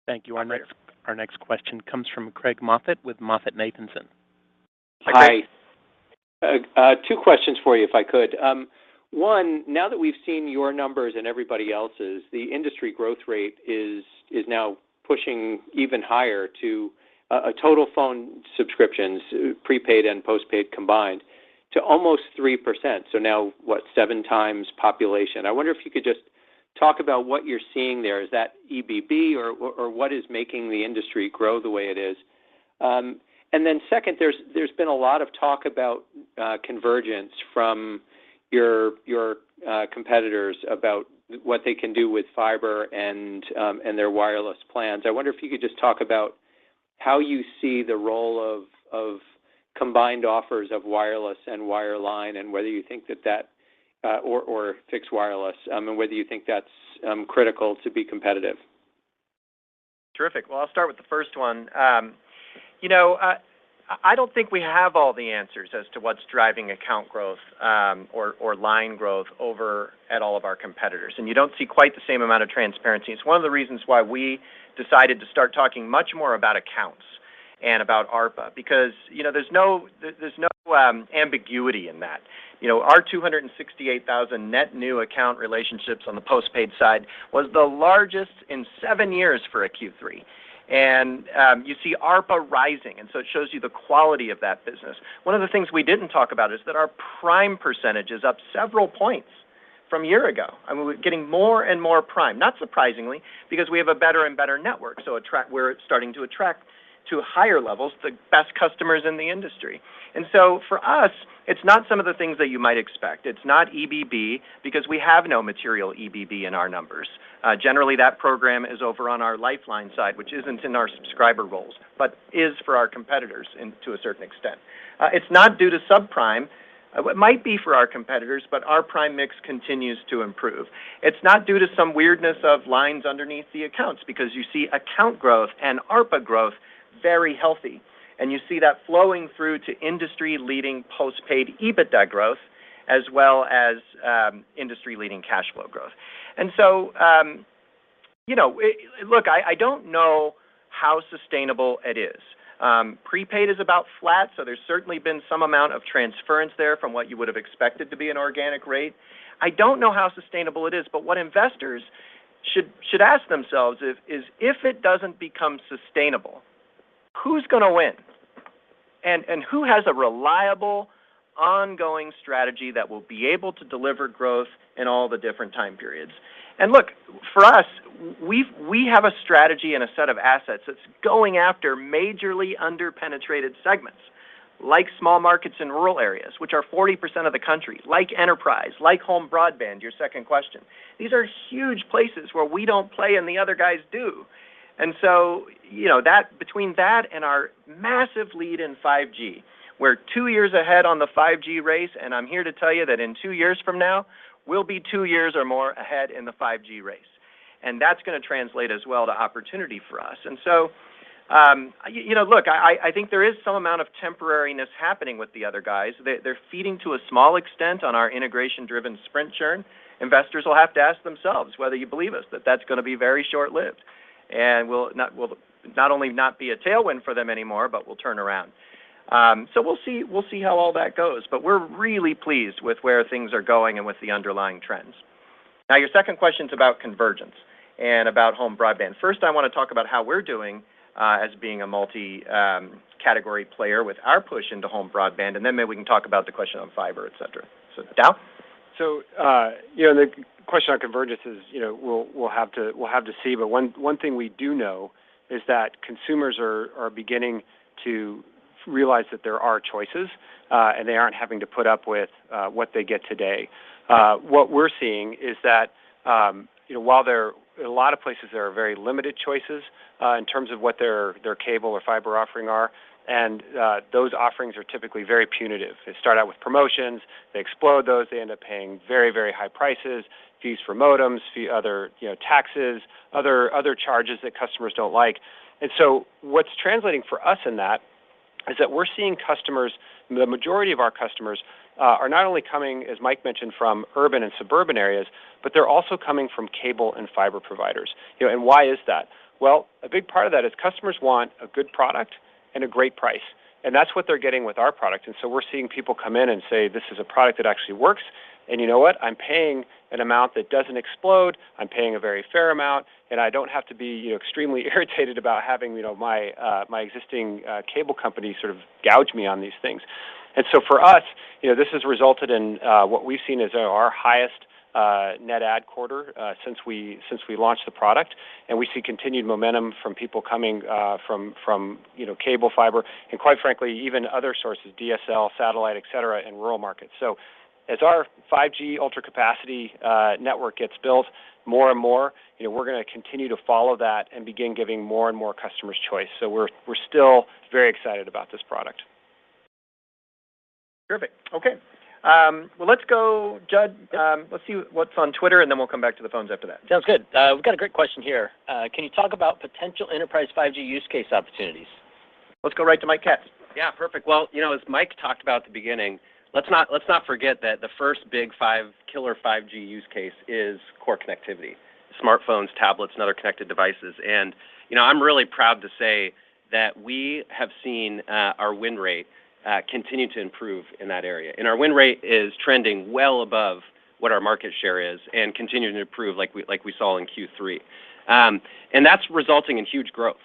Our next question comes from Craig Moffett with MoffettNathanson. Hi, Craig. Hi. Two questions for you, if I could. One, now that we've seen your numbers and everybody else's, the industry growth rate is now pushing even higher to a total phone subscriptions, prepaid and postpaid combined, to almost 3%. What seven times population. I wonder if you could just talk about what you're seeing there. Is that EBB or what is making the industry grow the way it is? Second, there's been a lot of talk about convergence from your competitors about what they can do with fiber and their wireless plans. I wonder if you could just talk about how you see the role of combined offers of wireless and wireline and whether you think that or fixed wireless and whether you think that's critical to be competitive? Terrific. Well, I'll start with the first one. You know, I don't think we have all the answers as to what's driving account growth, or line growth over at all of our competitors, and you don't see quite the same amount of transparency. It's one of the reasons why we decided to start talking much more about accounts and about ARPU, because, you know, there's no ambiguity in that. You know, our 268,000 net new account relationships on the postpaid side was the largest in seven years for a Q3. You see ARPU rising, and so it shows you the quality of that business. One of the things we didn't talk about is that our prime percentage is up several points from a year ago. I mean, we're getting more and more prime, not surprisingly, because we have a better and better network. We're starting to attract to higher levels the best customers in the industry. For us, it's not some of the things that you might expect. It's not EBB because we have no material EBB in our numbers. Generally, that program is over on our lifeline side, which isn't in our subscriber rolls, but is for our competitors into a certain extent. It's not due to subprime. It might be for our competitors, but our prime mix continues to improve. It's not due to some weirdness of lines underneath the accounts because you see account growth and ARPA growth very healthy, and you see that flowing through to industry-leading postpaid EBITDA growth as well as industry-leading cash flow growth. You know, I look, I don't know how sustainable it is. Prepaid is about flat, so there's certainly been some amount of transference there from what you would have expected to be an organic rate. I don't know how sustainable it is, but what investors should ask themselves is if it doesn't become sustainable, who's gonna win? And who has a reliable, ongoing strategy that will be able to deliver growth in all the different time periods? Look, for us, we have a strategy and a set of assets that's going after majorly under-penetrated segments, like small markets in rural areas, which are 40% of the country, like enterprise, like home broadband, your second question. These are huge places where we don't play and the other guys do. You know, that between that and our massive lead in 5G, we're two years ahead on the 5G race, and I'm here to tell you that in two years from now, we'll be two years or more ahead in the 5G race. That's gonna translate as well to opportunity for us. You know, look, I think there is some amount of temporariness happening with the other guys. They're feeding to a small extent on our integration-driven Sprint churn. Investors will have to ask themselves whether you believe us, that that's gonna be very short-lived. Will not only not be a tailwind for them anymore, but will turn around. We'll see how all that goes. We're really pleased with where things are going and with the underlying trends. Now, your second question's about convergence and about home broadband. First, I wanna talk about how we're doing as being a multi-category player with our push into home broadband, and then maybe we can talk about the question on fiber, et cetera. Dow? You know, the question on convergence is, you know, we'll have to see. One thing we do know is that consumers are beginning to realize that there are choices, and they aren't having to put up with what they get today. What we're seeing is that, you know, while in a lot of places, there are very limited choices in terms of what their cable or fiber offerings are, and those offerings are typically very punitive. They start out with promotions, they explode those, they end up paying very high prices, fees for modems, other, you know, taxes, other charges that customers don't like. What's translating for us in that is that we're seeing customers, the majority of our customers, are not only coming, as Mike mentioned, from urban and suburban areas, but they're also coming from cable and fiber providers. You know, why is that? Well, a big part of that is customers want a good product and a great price, and that's what they're getting with our product. We're seeing people come in and say, "This is a product that actually works. And you know what? I'm paying an amount that doesn't explode. I'm paying a very fair amount, and I don't have to be, you know, extremely irritated about having, you know, my my existing cable company sort of gouge me on these things. For us, you know, this has resulted in what we've seen as our highest net add quarter since we launched the product. We see continued momentum from people coming from, you know, cable fiber and, quite frankly, even other sources, DSL, satellite, et cetera, in rural markets. As our 5G Ultra Capacity network gets built more and more, you know, we're gonna continue to follow that and begin giving more and more customers choice. We're still very excited about this product. Terrific. Okay. Well, let's go, Jud. Let's see what's on Twitter, and then we'll come back to the phones after that. Sounds good. We've got a great question here. Can you talk about potential enterprise 5G use case opportunities? Let's go right to Mike Katz. Yeah. Perfect. Well, you know, as Mike talked about at the beginning, let's not forget that the first big five killer 5G use case is core connectivity, smartphones, tablets, and other connected devices. You know, I'm really proud to say that we have seen our win rate continue to improve in that area, and our win rate is trending well above what our market share is and continuing to improve like we saw in Q3. That's resulting in huge growth.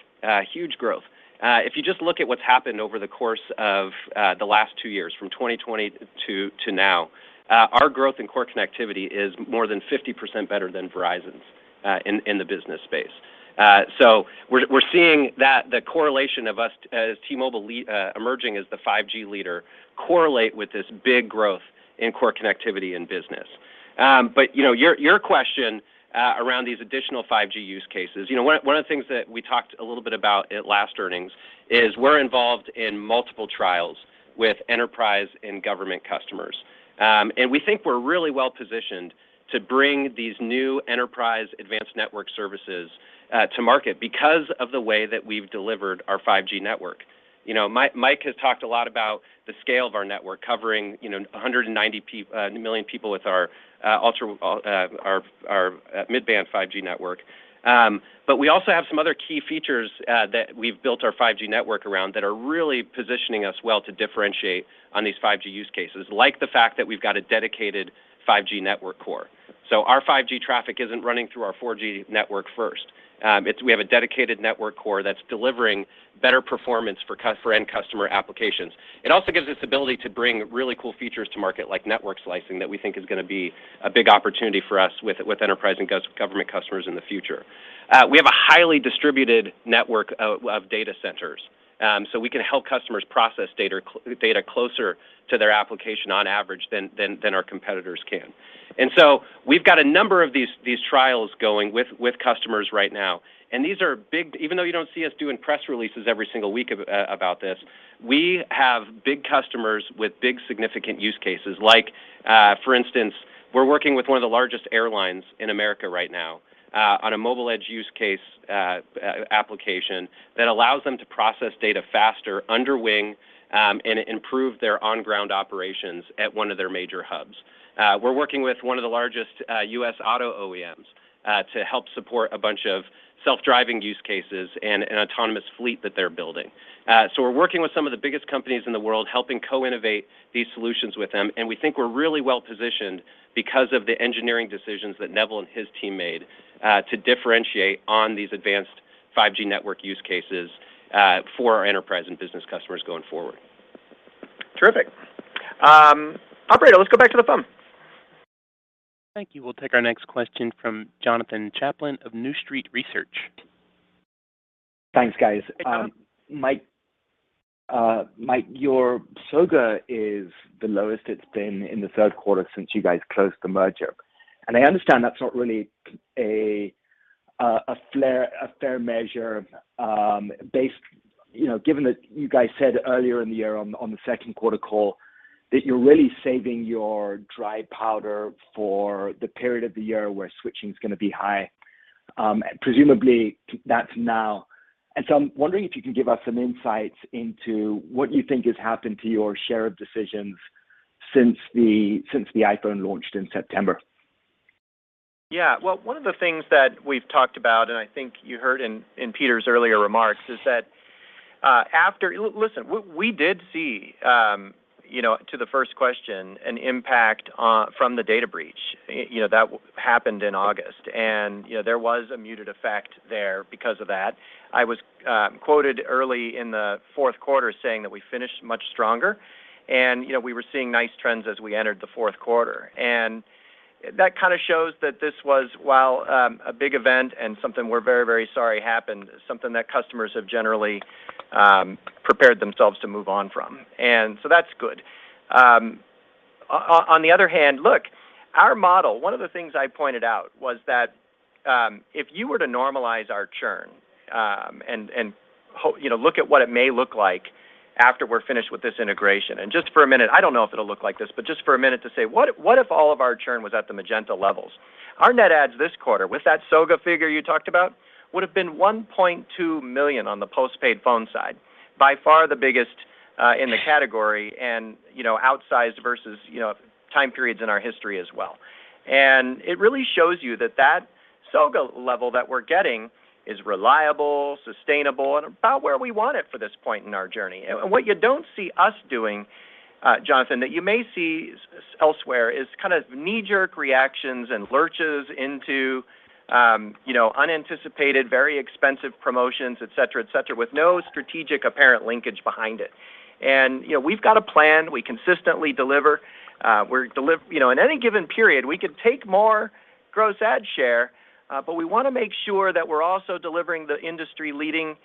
If you just look at what's happened over the course of the last two years from 2020 to now, our growth in core connectivity is more than 50% better than Verizon's in the business space. We're seeing that the correlation of us as T-Mobile leader emerging as the 5G leader correlate with this big growth in core connectivity in business. You know your question around these additional 5G use cases. You know one of the things that we talked a little bit about at last earnings is we're involved in multiple trials with enterprise and government customers. We think we're really well positioned to bring these new enterprise advanced network services to market because of the way that we've delivered our 5G network. You know Mike has talked a lot about the scale of our network covering you know 190 million people with our mid-band 5G network. We also have some other key features that we've built our 5G network around that are really positioning us well to differentiate on these 5G use cases, like the fact that we've got a dedicated 5G network core. Our 5G traffic isn't running through our 4G network first. We have a dedicated network core that's delivering better performance for end customer applications. It also gives us ability to bring really cool features to market, like network slicing, that we think is gonna be a big opportunity for us with enterprise and government customers in the future. We have a highly distributed network of data centers, so we can help customers process data closer to their application on average than our competitors can. We've got a number of these trials going with customers right now, and these are big. Even though you don't see us doing press releases every single week about this, we have big customers with big significant use cases. Like, for instance, we're working with one of the largest airlines in America right now on a mobile edge use case application that allows them to process data faster under wing and improve their on ground operations at one of their major hubs. We're working with one of the largest U.S. auto OEMs to help support a bunch of self-driving use cases and an autonomous fleet that they're building. We're working with some of the biggest companies in the world, helping co-innovate these solutions with them, and we think we're really well positioned because of the engineering decisions that Neville and his team made to differentiate on these advanced 5G network use cases for our enterprise and business customers going forward. Terrific. Operator, let's go back to the phone. Thank you. We'll take our next question from Jonathan Chaplin of New Street Research. Thanks, guys. Hey, Jonathan. Mike, your SOGA is the lowest it's been in the third quarter since you guys closed the merger. I understand that's not really a fair measure, based, you know, given that you guys said earlier in the year on the second quarter call that you're really saving your dry powder for the period of the year where switching's gonna be high. Presumably that's now. I'm wondering if you could give us some insights into what you think has happened to your share of decisions since the iPhone launched in September? Yeah. Well, one of the things that we've talked about, and I think you heard in Peter's earlier remarks, is that, after. Listen, we did see, you know, to the first question, an impact from the data breach, you know, that happened in August. You know, there was a muted effect there because of that. I was quoted early in the fourth quarter saying that we finished much stronger and, you know, we were seeing nice trends as we entered the fourth quarter. That kind of shows that this was, while a big event and something we're very, very sorry happened, something that customers have generally prepared themselves to move on from. That's good. On the other hand, look, our model, one of the things I pointed out was that, if you were to normalize our churn, and you know, look at what it may look like after we're finished with this integration. Just for a minute, I don't know if it'll look like this, but just for a minute to say, what if all of our churn was at the Magenta levels? Our net adds this quarter with that SOGA figure you talked about would have been 1.2 million on the postpaid phone side. By far the biggest in the category and, you know, outsized versus, you know, time periods in our history as well. It really shows you that that SOGA level that we're getting is reliable, sustainable, and about where we want it for this point in our journey. What you don't see us doing, Jonathan, that you may see s- Elsewhere is kind of knee-jerk reactions and lurches into, you know, unanticipated, very expensive promotions, et cetera, et cetera, with no strategic apparent linkage behind it. You know, we've got a plan, we consistently deliver. You know, in any given period, we could take more gross add share, but we wanna make sure that we're also delivering the industry-leading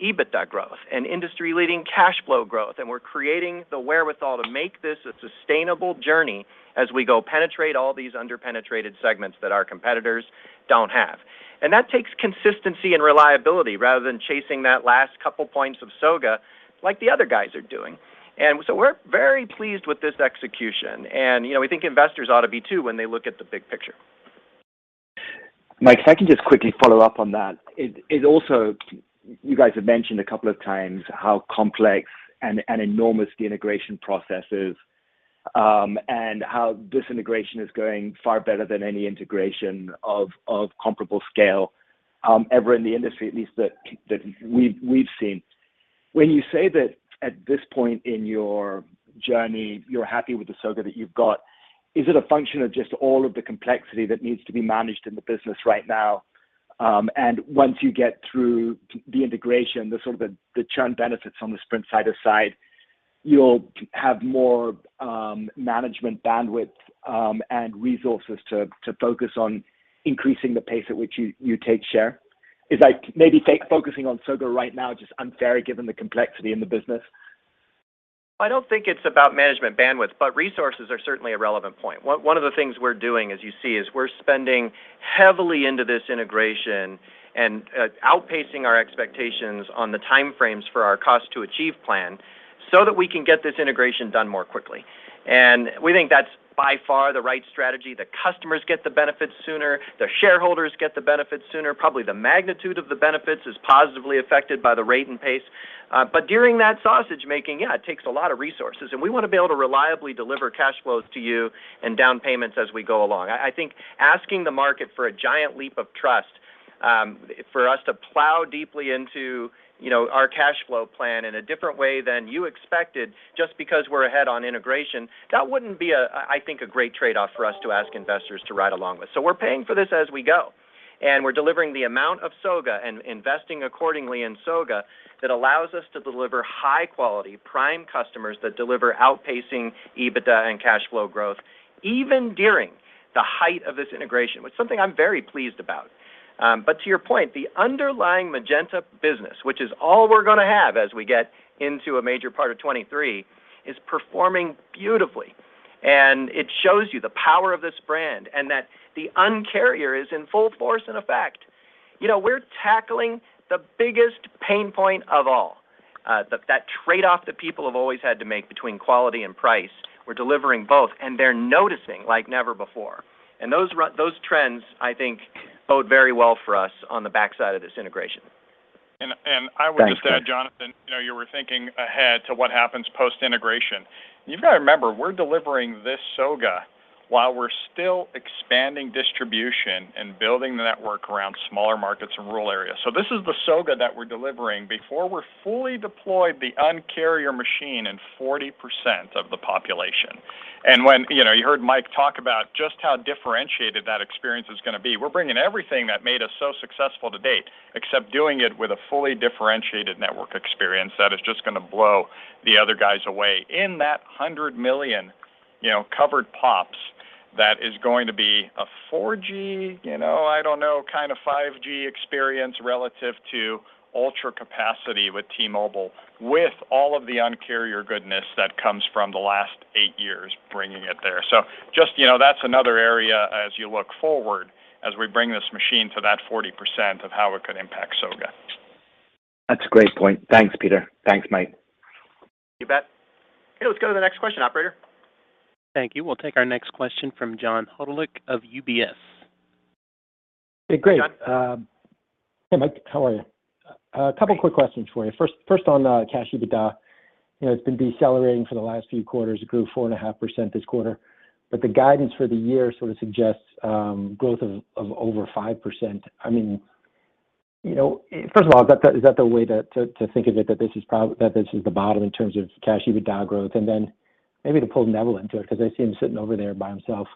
EBITDA growth and industry-leading cash flow growth, and we're creating the wherewithal to make this a sustainable journey as we go penetrate all these under-penetrated segments that our competitors don't have. That takes consistency and reliability rather than chasing that last couple points of SOGA like the other guys are doing. We're very pleased with this execution and, you know, we think investors ought to be too, when they look at the big picture. Mike, if I can just quickly follow up on that. It also, you guys have mentioned a couple of times how complex and enormous the integration process is, and how this integration is going far better than any integration of comparable scale, ever in the industry, at least that we've seen. When you say that at this point in your journey, you're happy with the SOGA that you've got, is it a function of just all of the complexity that needs to be managed in the business right now, and once you get through the integration, the churn benefits on the Sprint side, you'll have more management bandwidth, and resources to focus on increasing the pace at which you take share? Is like maybe focusing on SOGA right now just unfair given the complexity in the business? I don't think it's about management bandwidth, but resources are certainly a relevant point. One of the things we're doing as you see is we're spending heavily into this integration and outpacing our expectations on the time frames for our cost to achieve plan so that we can get this integration done more quickly. We think that's by far the right strategy. The customers get the benefits sooner, the shareholders get the benefits sooner. Probably the magnitude of the benefits is positively affected by the rate and pace. But during that sausage making, yeah, it takes a lot of resources and we wanna be able to reliably deliver cash flows to you and down payments as we go along. I think asking the market for a giant leap of trust, for us to plow deeply into, you know, our cash flow plan in a different way than you expected just because we're ahead on integration, that wouldn't be, I think, a great trade-off for us to ask investors to ride along with. We're paying for this as we go, and we're delivering the amount of SOGA and investing accordingly in SOGA that allows us to deliver high quality prime customers that deliver outpacing EBITDA and cash flow growth, even during the height of this integration, which is something I'm very pleased about. To your point, the underlying Magenta business, which is all we're gonna have as we get into a major part of 2023, is performing beautifully. It shows you the power of this brand and that the Un-carrier is in full force in effect. You know, we're tackling the biggest pain point of all, that trade-off that people have always had to make between quality and price. We're delivering both, and they're noticing like never before. Those trends, I think bode very well for us on the backside of this integration. Thank you. I would just add, Jonathan, you know, you were thinking ahead to what happens post-integration. You've got to remember, we're delivering this SOGA while we're still expanding distribution and building the network around smaller markets and rural areas. This is the SOGA that we're delivering before we're fully deployed the Un-carrier machine in 40% of the population. When, you know, you heard Mike talk about just how differentiated that experience is gonna be. We're bringing everything that made us so successful to date, except doing it with a fully differentiated network experience that is just gonna blow the other guys away. In that 100 million, you know, covered pops, that is going to be a 4G, you know, I don't know, kind of 5G experience relative to ultra capacity with T-Mobile, with all of the Un-carrier goodness that comes from the last eight years bringing it there. Just, you know, that's another area as you look forward as we bring this machine to that 40% of how it could impact SOGA. That's a great point. Thanks, Peter. Thanks, Mike. You bet. Hey, let's go to the next question, operator. Thank you. We'll take our next question from John Hodulik of UBS. Hey, great. John. Hey, Mike. How are you? Hi, John. A couple of quick questions for you. First on cash EBITDA. You know, it's been decelerating for the last few quarters. It grew 4.5% this quarter. The guidance for the year sort of suggests growth of over 5%. I mean, you know, first of all, is that the way to think of it, that this is the bottom in terms of cash EBITDA growth? Then maybe to pull Neville into it, because I see him sitting over there by himself.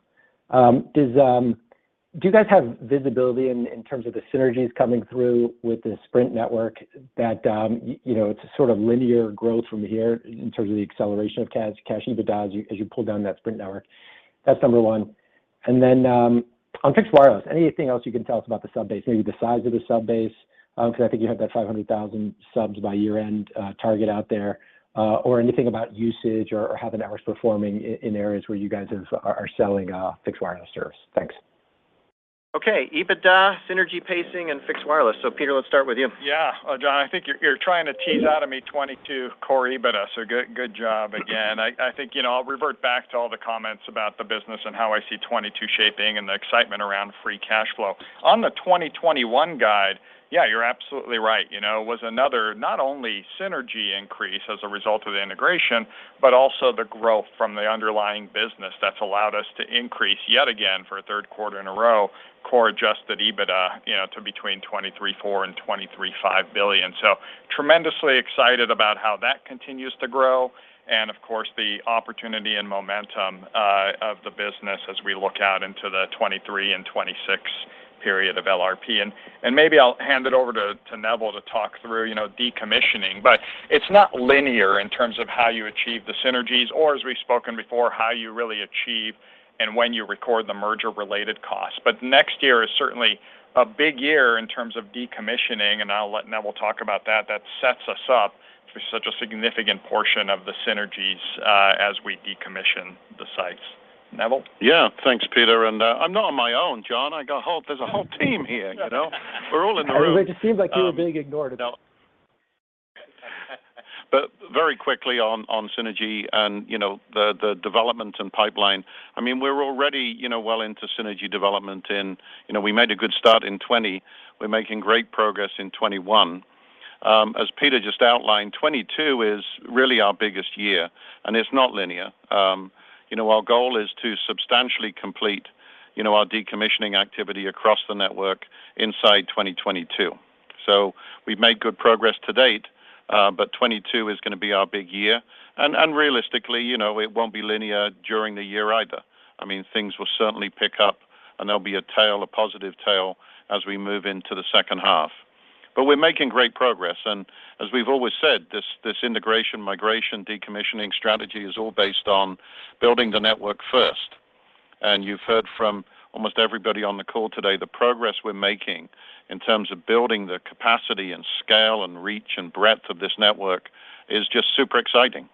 Do you guys have visibility in terms of the synergies coming through with the Sprint network that you know, it's a sort of linear growth from here in terms of the acceleration of cash EBITDA as you pull down that Sprint network? That's number one. On fixed wireless, anything else you can tell us about the sub-base, maybe the size of the sub-base? Because I think you have that 500,000 subs by year-end target out there. Or anything about usage or how the network's performing in areas where you guys are selling fixed wireless service? Thanks. Okay. EBITDA, synergy pacing, and fixed wireless. Peter, let's start with you. Yeah. Well, John, I think you're trying to tease out of me 2022 core EBITDA, so good job again. I think, you know, I'll revert back to all the comments about the business and how I see 2022 shaping and the excitement around free cash flow. On the 2021 guide, yeah, you're absolutely right. You know, it was another not only synergy increase as a result of the integration, but also the growth from the underlying business that's allowed us to increase yet again for a third quarter in a row. Core Adjusted EBITDA, you know, to between $23.4 billion-$23.5 billion. Tremendously excited about how that continues to grow and of course the opportunity and momentum of the business as we look out into the 2023 and 2026 period of LRP. And maybe I'll hand it over to Neville to talk through, you know, decommissioning. But it's not linear in terms of how you achieve the synergies or as we've spoken before, how you really achieve and when you record the merger related costs. But next year is certainly a big year in terms of decommissioning, and I'll let Neville talk about that. That sets us up for such a significant portion of the synergies as we decommission the sites. Neville? Yeah. Thanks, Peter. I'm not on my own, John. There's a whole team here, you know? We're all in the room. It just seems like you were being ignored. No. Very quickly on synergy and, you know, the development and pipeline. I mean, we're already, you know, well into synergy development and, you know, we made a good start in 2020. We're making great progress in 2021. As Peter just outlined, 2022 is really our biggest year, and it's not linear. You know, our goal is to substantially complete, you know, our decommissioning activity across the network inside 2022. We've made good progress to date, but 2022 is gonna be our big year. Realistically, you know, it won't be linear during the year either. I mean, things will certainly pick up and there'll be a tail, a positive tail as we move into the second half. We're making great progress. As we've always said, this integration, migration, decommissioning strategy is all based on building the network first. You've heard from almost everybody on the call today, the progress we're making in terms of building the capacity and scale and reach and breadth of this network is just super exciting.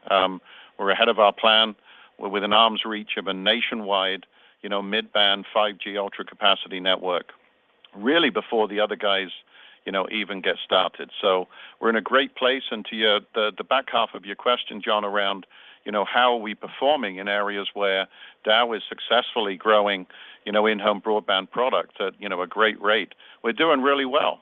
We're ahead of our plan. We're within arm's reach of a nationwide, you know, mid-band 5G Ultra Capacity network, really before the other guys, you know, even get started. We're in a great place. To your, the back half of your question, John, around, you know, how are we performing in areas where Dow is successfully growing, you know, in-home broadband product at, you know, a great rate. We're doing really well.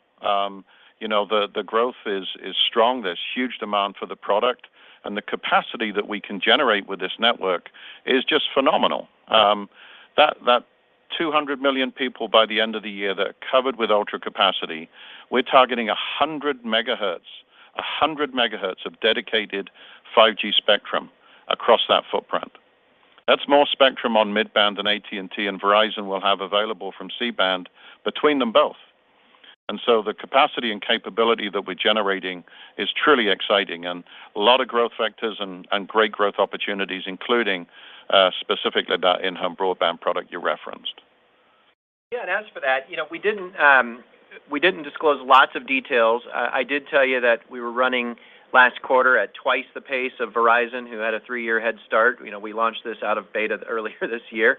You know, the growth is strong. There's huge demand for the product, and the capacity that we can generate with this network is just phenomenal. That 200 million people by the end of the year that are covered with Ultra Capacity, we're targeting 100 MHz of dedicated 5G spectrum across that footprint. That's more spectrum on mid-band than AT&T and Verizon will have available from C-band between them both. The capacity and capability that we're generating is truly exciting and a lot of growth vectors and great growth opportunities, including specifically that in-home broadband product you referenced. Yeah. As for that, you know, we didn't disclose lots of details. I did tell you that we were running last quarter at twice the pace of Verizon, who had a three-year head start. You know, we launched this out of beta earlier this year.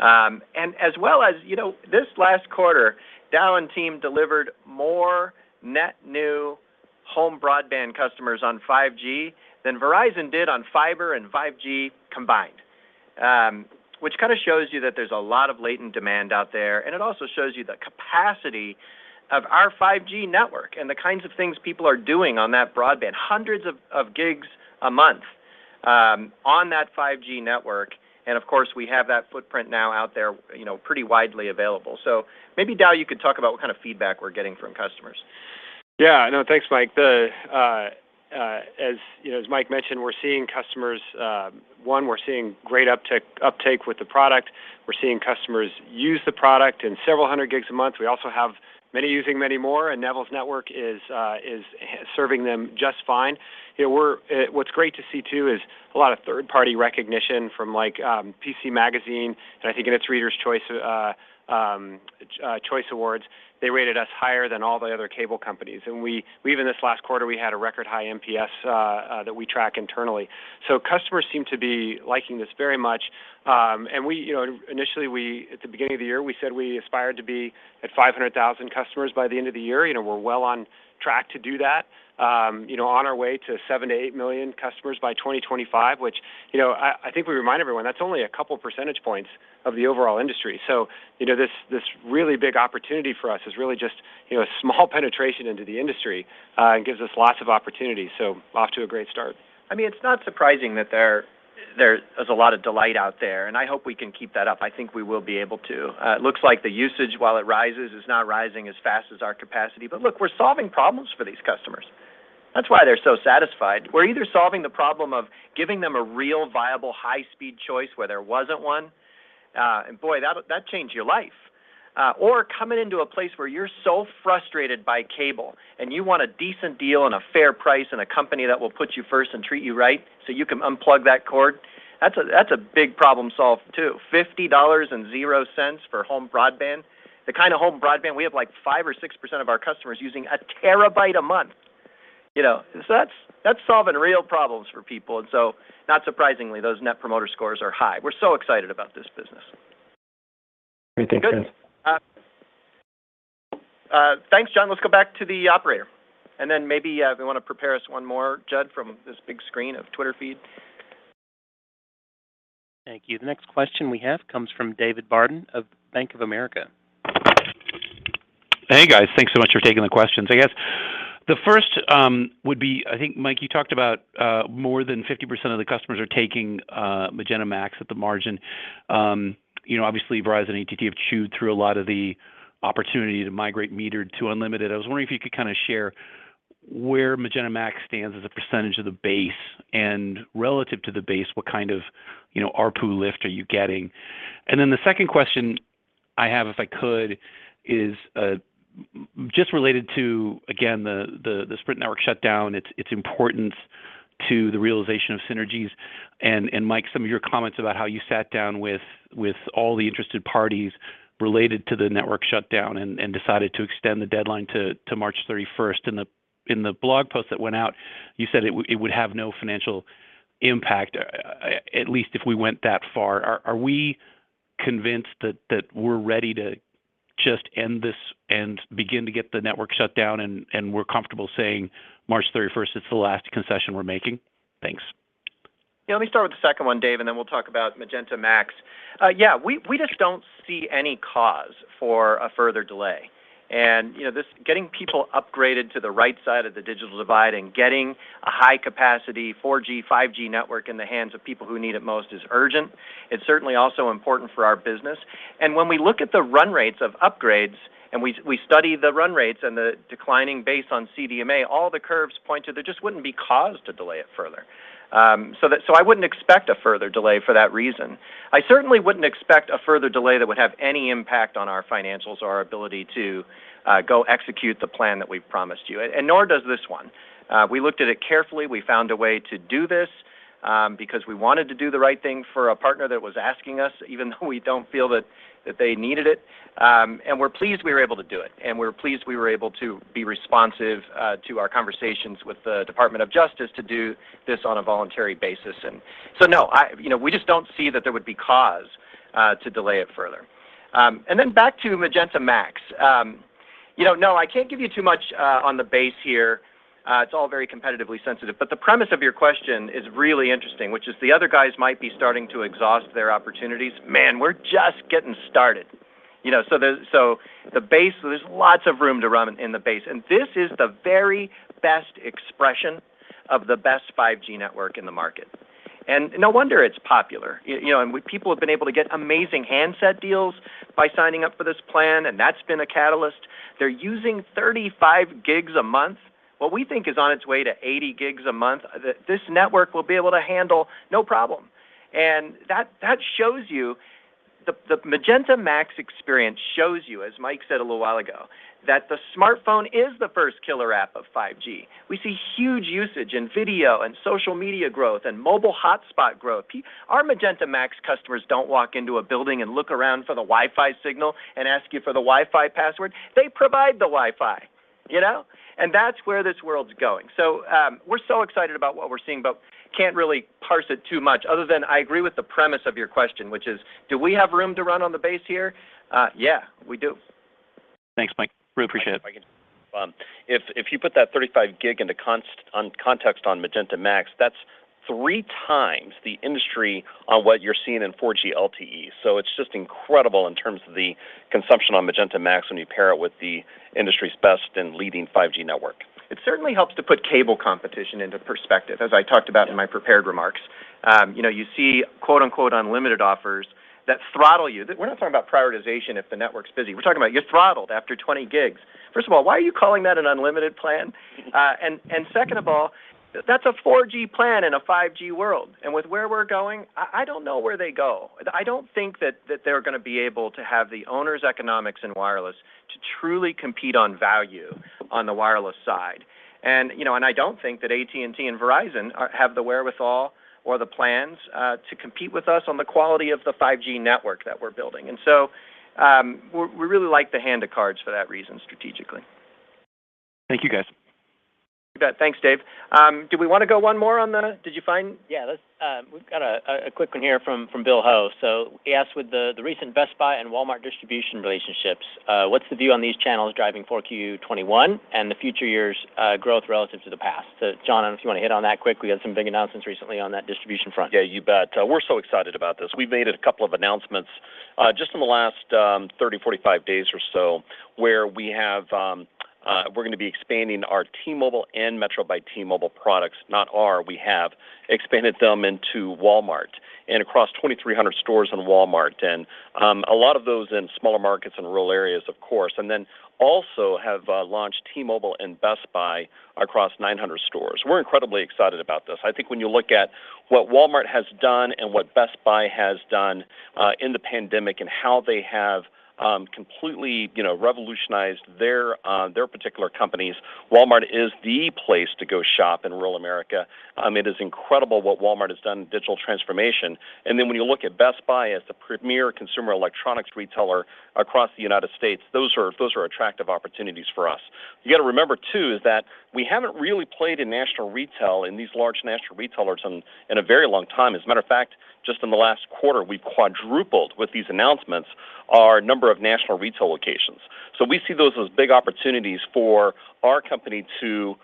As well as, you know, this last quarter, Dow and team delivered more net new home broadband customers on 5G than Verizon did on fiber and 5G combined. Which kinda shows you that there's a lot of latent demand out there, and it also shows you the capacity of our 5G network and the kinds of things people are doing on that broadband. Hundreds of gigs a month on that 5G network. Of course, we have that footprint now out there, you know, pretty widely available. Maybe Dow, you could talk about what kind of feedback we're getting from customers. No, thanks, Mike. As you know, as Mike mentioned, we're seeing great uptake with the product. We're seeing customers use the product in several hundred gigs a month. We also have many using many more, and Neville's network is serving them just fine. You know, what's great to see too is a lot of third-party recognition from like PC Magazine, and I think in its Readers' Choice Awards, they rated us higher than all the other cable companies. We even this last quarter had a record high NPS that we track internally. Customers seem to be liking this very much. You know, initially, at the beginning of the year, we said we aspired to be at 500,000 customers by the end of the year. You know, we're well on track to do that. You know, on our way to seven million-eight million customers by 2025, which, you know, I think we remind everyone that's only a couple percentage points of the overall industry. You know, this really big opportunity for us is really just, you know, a small penetration into the industry and gives us lots of opportunities. So off to a great start. I mean, it's not surprising that there's a lot of delight out there, and I hope we can keep that up. I think we will be able to. It looks like the usage while it rises is not rising as fast as our capacity. Look, we're solving problems for these customers. That's why they're so satisfied. We're either solving the problem of giving them a real viable high speed choice where there wasn't one. Boy, that'll change your life. Coming into a place where you're so frustrated by cable and you want a decent deal and a fair price and a company that will put you first and treat you right so you can unplug that cord. That's a big problem solved too. $50 for home broadband. The kind of home broadband, we have like 5% or 6% of our customers using a terabyte a month. You know? That's solving real problems for people. Not surprisingly, those Net Promoter Scores are high. We're so excited about this business. Great. Thanks, guys. Thanks, John. Let's go back to the operator, and then maybe, if you wanna prepare us one more, Jud, from this big screen of Twitter feed. Thank you. The next question we have comes from David Barden of Bank of America. Hey guys, thanks so much for taking the questions. I guess the first would be, I think, Mike, you talked about more than 50% of the customers are taking Magenta MAX at the margin. You know, obviously, Verizon and AT&T have chewed through a lot of the opportunity to migrate metered to unlimited. I was wondering if you could kinda share where Magenta MAX stands as a percentage of the base, and relative to the base, what kind of, you know, ARPU lift are you getting? Then the second question I have, if I could, is just related to, again, the Sprint network shutdown, its importance to the realization of synergies and Mike, some of your comments about how you sat down with all the interested parties related to the network shutdown and decided to extend the deadline to March 31. In the blog post that went out, you said it would have no financial impact, at least if we went that far. Are we convinced that we're ready to just end this and begin to get the network shut down and we're comfortable saying March 31 is the last concession we're making? Thanks. Yeah, let me start with the second one, David, and then we'll talk about Magenta MAX. Yeah, we just don't see any cause for a further delay. You know, getting people upgraded to the right side of the digital divide and getting a high-capacity 4G, 5G network in the hands of people who need it most is urgent. It's certainly also important for our business. When we look at the run rates of upgrades and we study the run rates and the declining base on CDMA, all the curves point to there just wouldn't be cause to delay it further. So I wouldn't expect a further delay for that reason. I certainly wouldn't expect a further delay that would have any impact on our financials or our ability to go execute the plan that we've promised you. Nor does this one. We looked at it carefully. We found a way to do this because we wanted to do the right thing for a partner that was asking us, even though we don't feel that they needed it. We're pleased we were able to do it. We're pleased we were able to be responsive to our conversations with the Department of Justice to do this on a voluntary basis. No, you know, we just don't see that there would be cause to delay it further. Then back to Magenta MAX. You know, no, I can't give you too much on the base here. It's all very competitively sensitive. The premise of your question is really interesting, which is the other guys might be starting to exhaust their opportunities. Man, we're just getting started. You know, so the base, there's lots of room to run in the base. This is the very best expression of the best 5G network in the market. No wonder it's popular. You know, people have been able to get amazing handset deals by signing up for this plan, and that's been a catalyst. They're using 35 gigs a month, what we think is on its way to 80 gigs a month, this network will be able to handle no problem. That shows you. The Magenta MAX experience shows you, as Mike said a little while ago, that the smartphone is the first killer app of 5G. We see huge usage in video and social media growth and mobile hotspot growth. Our Magenta MAX customers don't walk into a building and look around for the Wi-Fi signal and ask you for the Wi-Fi password. They provide the Wi-Fi, you know? That's where this world's going. We're so excited about what we're seeing, but can't really parse it too much other than I agree with the premise of your question, which is, do we have room to run on the base here? Yeah, we do. Thanks, Mike. Really appreciate it. If you put that 35 gig into context on Magenta MAX, that's three times the industry norm on what you're seeing in 4G LTE. It's just incredible in terms of the consumption on Magenta MAX when you pair it with the industry's best and leading 5G network. It certainly helps to put cable competition into perspective, as I talked about in my prepared remarks. You know, you see quote-unquote unlimited offers that throttle you. We're not talking about prioritization if the network's busy. We're talking about you're throttled after 20 gigs. First of all, why are you calling that an unlimited plan? And second of all, that's a 4G plan in a 5G world. With where we're going, I don't know where they go. I don't think that they're gonna be able to have the owner's economics in wireless to truly compete on value on the wireless side. You know, I don't think that AT&T and Verizon have the wherewithal or the plans to compete with us on the quality of the 5G network that we're building. We really like the hand of cards for that reason strategically. Thank you guys. You bet. Thanks, David. Do we wanna go one more? Did you find? Yeah, let's. We've got a quick one here from Bill Ho. He asked, with the recent Best Buy and Walmart distribution relationships, what's the view on these channels driving 4Q 2021 and the future years' growth relative to the past? Jon, if you wanna hit on that quick. We had some big announcements recently on that distribution front. Yeah, you bet. We're so excited about this. We've made a couple of announcements just in the last 30-45 days or so where we have expanded our T-Mobile and Metro by T-Mobile products we have expanded them into Walmart and across 2,300 stores in Walmart. A lot of those in smaller markets and rural areas, of course. We have also launched T-Mobile in Best Buy across 900 stores. We're incredibly excited about this. I think when you look at what Walmart has done and what Best Buy has done in the pandemic and how they have completely, you know, revolutionized their particular companies, Walmart is the place to go shop in rural America. It is incredible what Walmart has done in digital transformation. When you look at Best Buy as the premier consumer electronics retailer across the United States, those are attractive opportunities for us. You gotta remember too is that we haven't really played in national retail in these large national retailers in a very long time. As a matter of fact, just in the last quarter, we've quadrupled, with these announcements, our number of national retail locations. We see those as big opportunities for our company to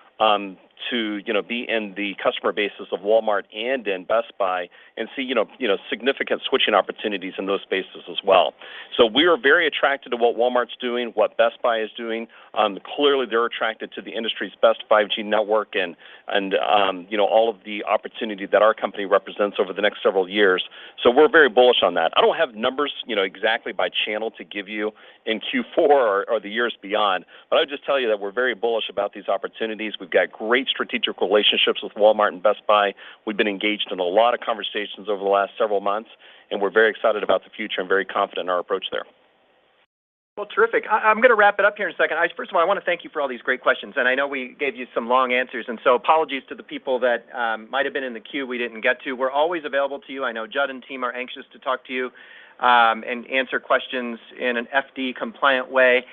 you know be in the customer bases of Walmart and in Best Buy and see you know significant switching opportunities in those spaces as well. We are very attracted to what Walmart's doing, what Best Buy is doing. Clearly they're attracted to the industry's best 5G network and you know all of the opportunity that our company represents over the next several years. We're very bullish on that. I don't have numbers you know exactly by channel to give you in Q4 or the years beyond, but I would just tell you that we're very bullish about these opportunities. We've got great strategic relationships with Walmart and Best Buy. We've been engaged in a lot of conversations over the last several months, and we're very excited about the future and very confident in our approach there. Well, terrific. I'm going to wrap it up here in a second. First of all, I want to thank you for all these great questions. I know we gave you some long answers, and so apologies to the people that might have been in the queue we didn't get to. We're always available to you. I know Jud and team are anxious to talk to you, and answer questions in an FD-compliant way,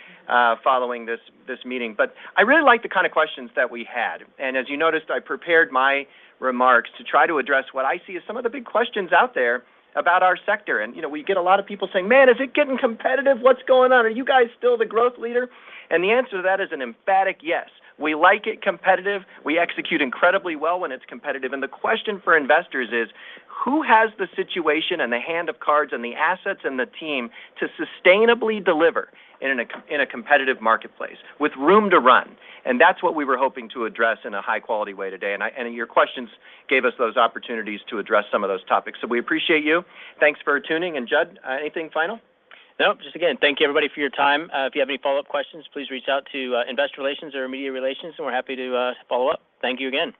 following this meeting. I really like the kind of questions that we had. As you noticed, I prepared my remarks to try to address what I see as some of the big questions out there about our sector. You know, we get a lot of people saying, "Man, is it getting competitive? What's going on? Are you guys still the growth leader?" The answer to that is an emphatic yes. We like it competitive. We execute incredibly well when it's competitive. The question for investors is, who has the situation and the hand of cards and the assets and the team to sustainably deliver in a competitive marketplace with room to run? That's what we were hoping to address in a high-quality way today. Your questions gave us those opportunities to address some of those topics. We appreciate you. Thanks for tuning. Jud, anything final? No, just again, thank you, everybody, for your time. If you have any follow-up questions, please reach out to investor relations or media relations, and we're happy to follow up. Thank you again.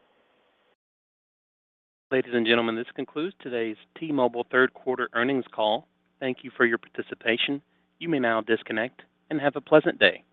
Ladies and gentlemen, this concludes today's T-Mobile third quarter earnings call. Thank you for your participation. You may now disconnect and have a pleasant day.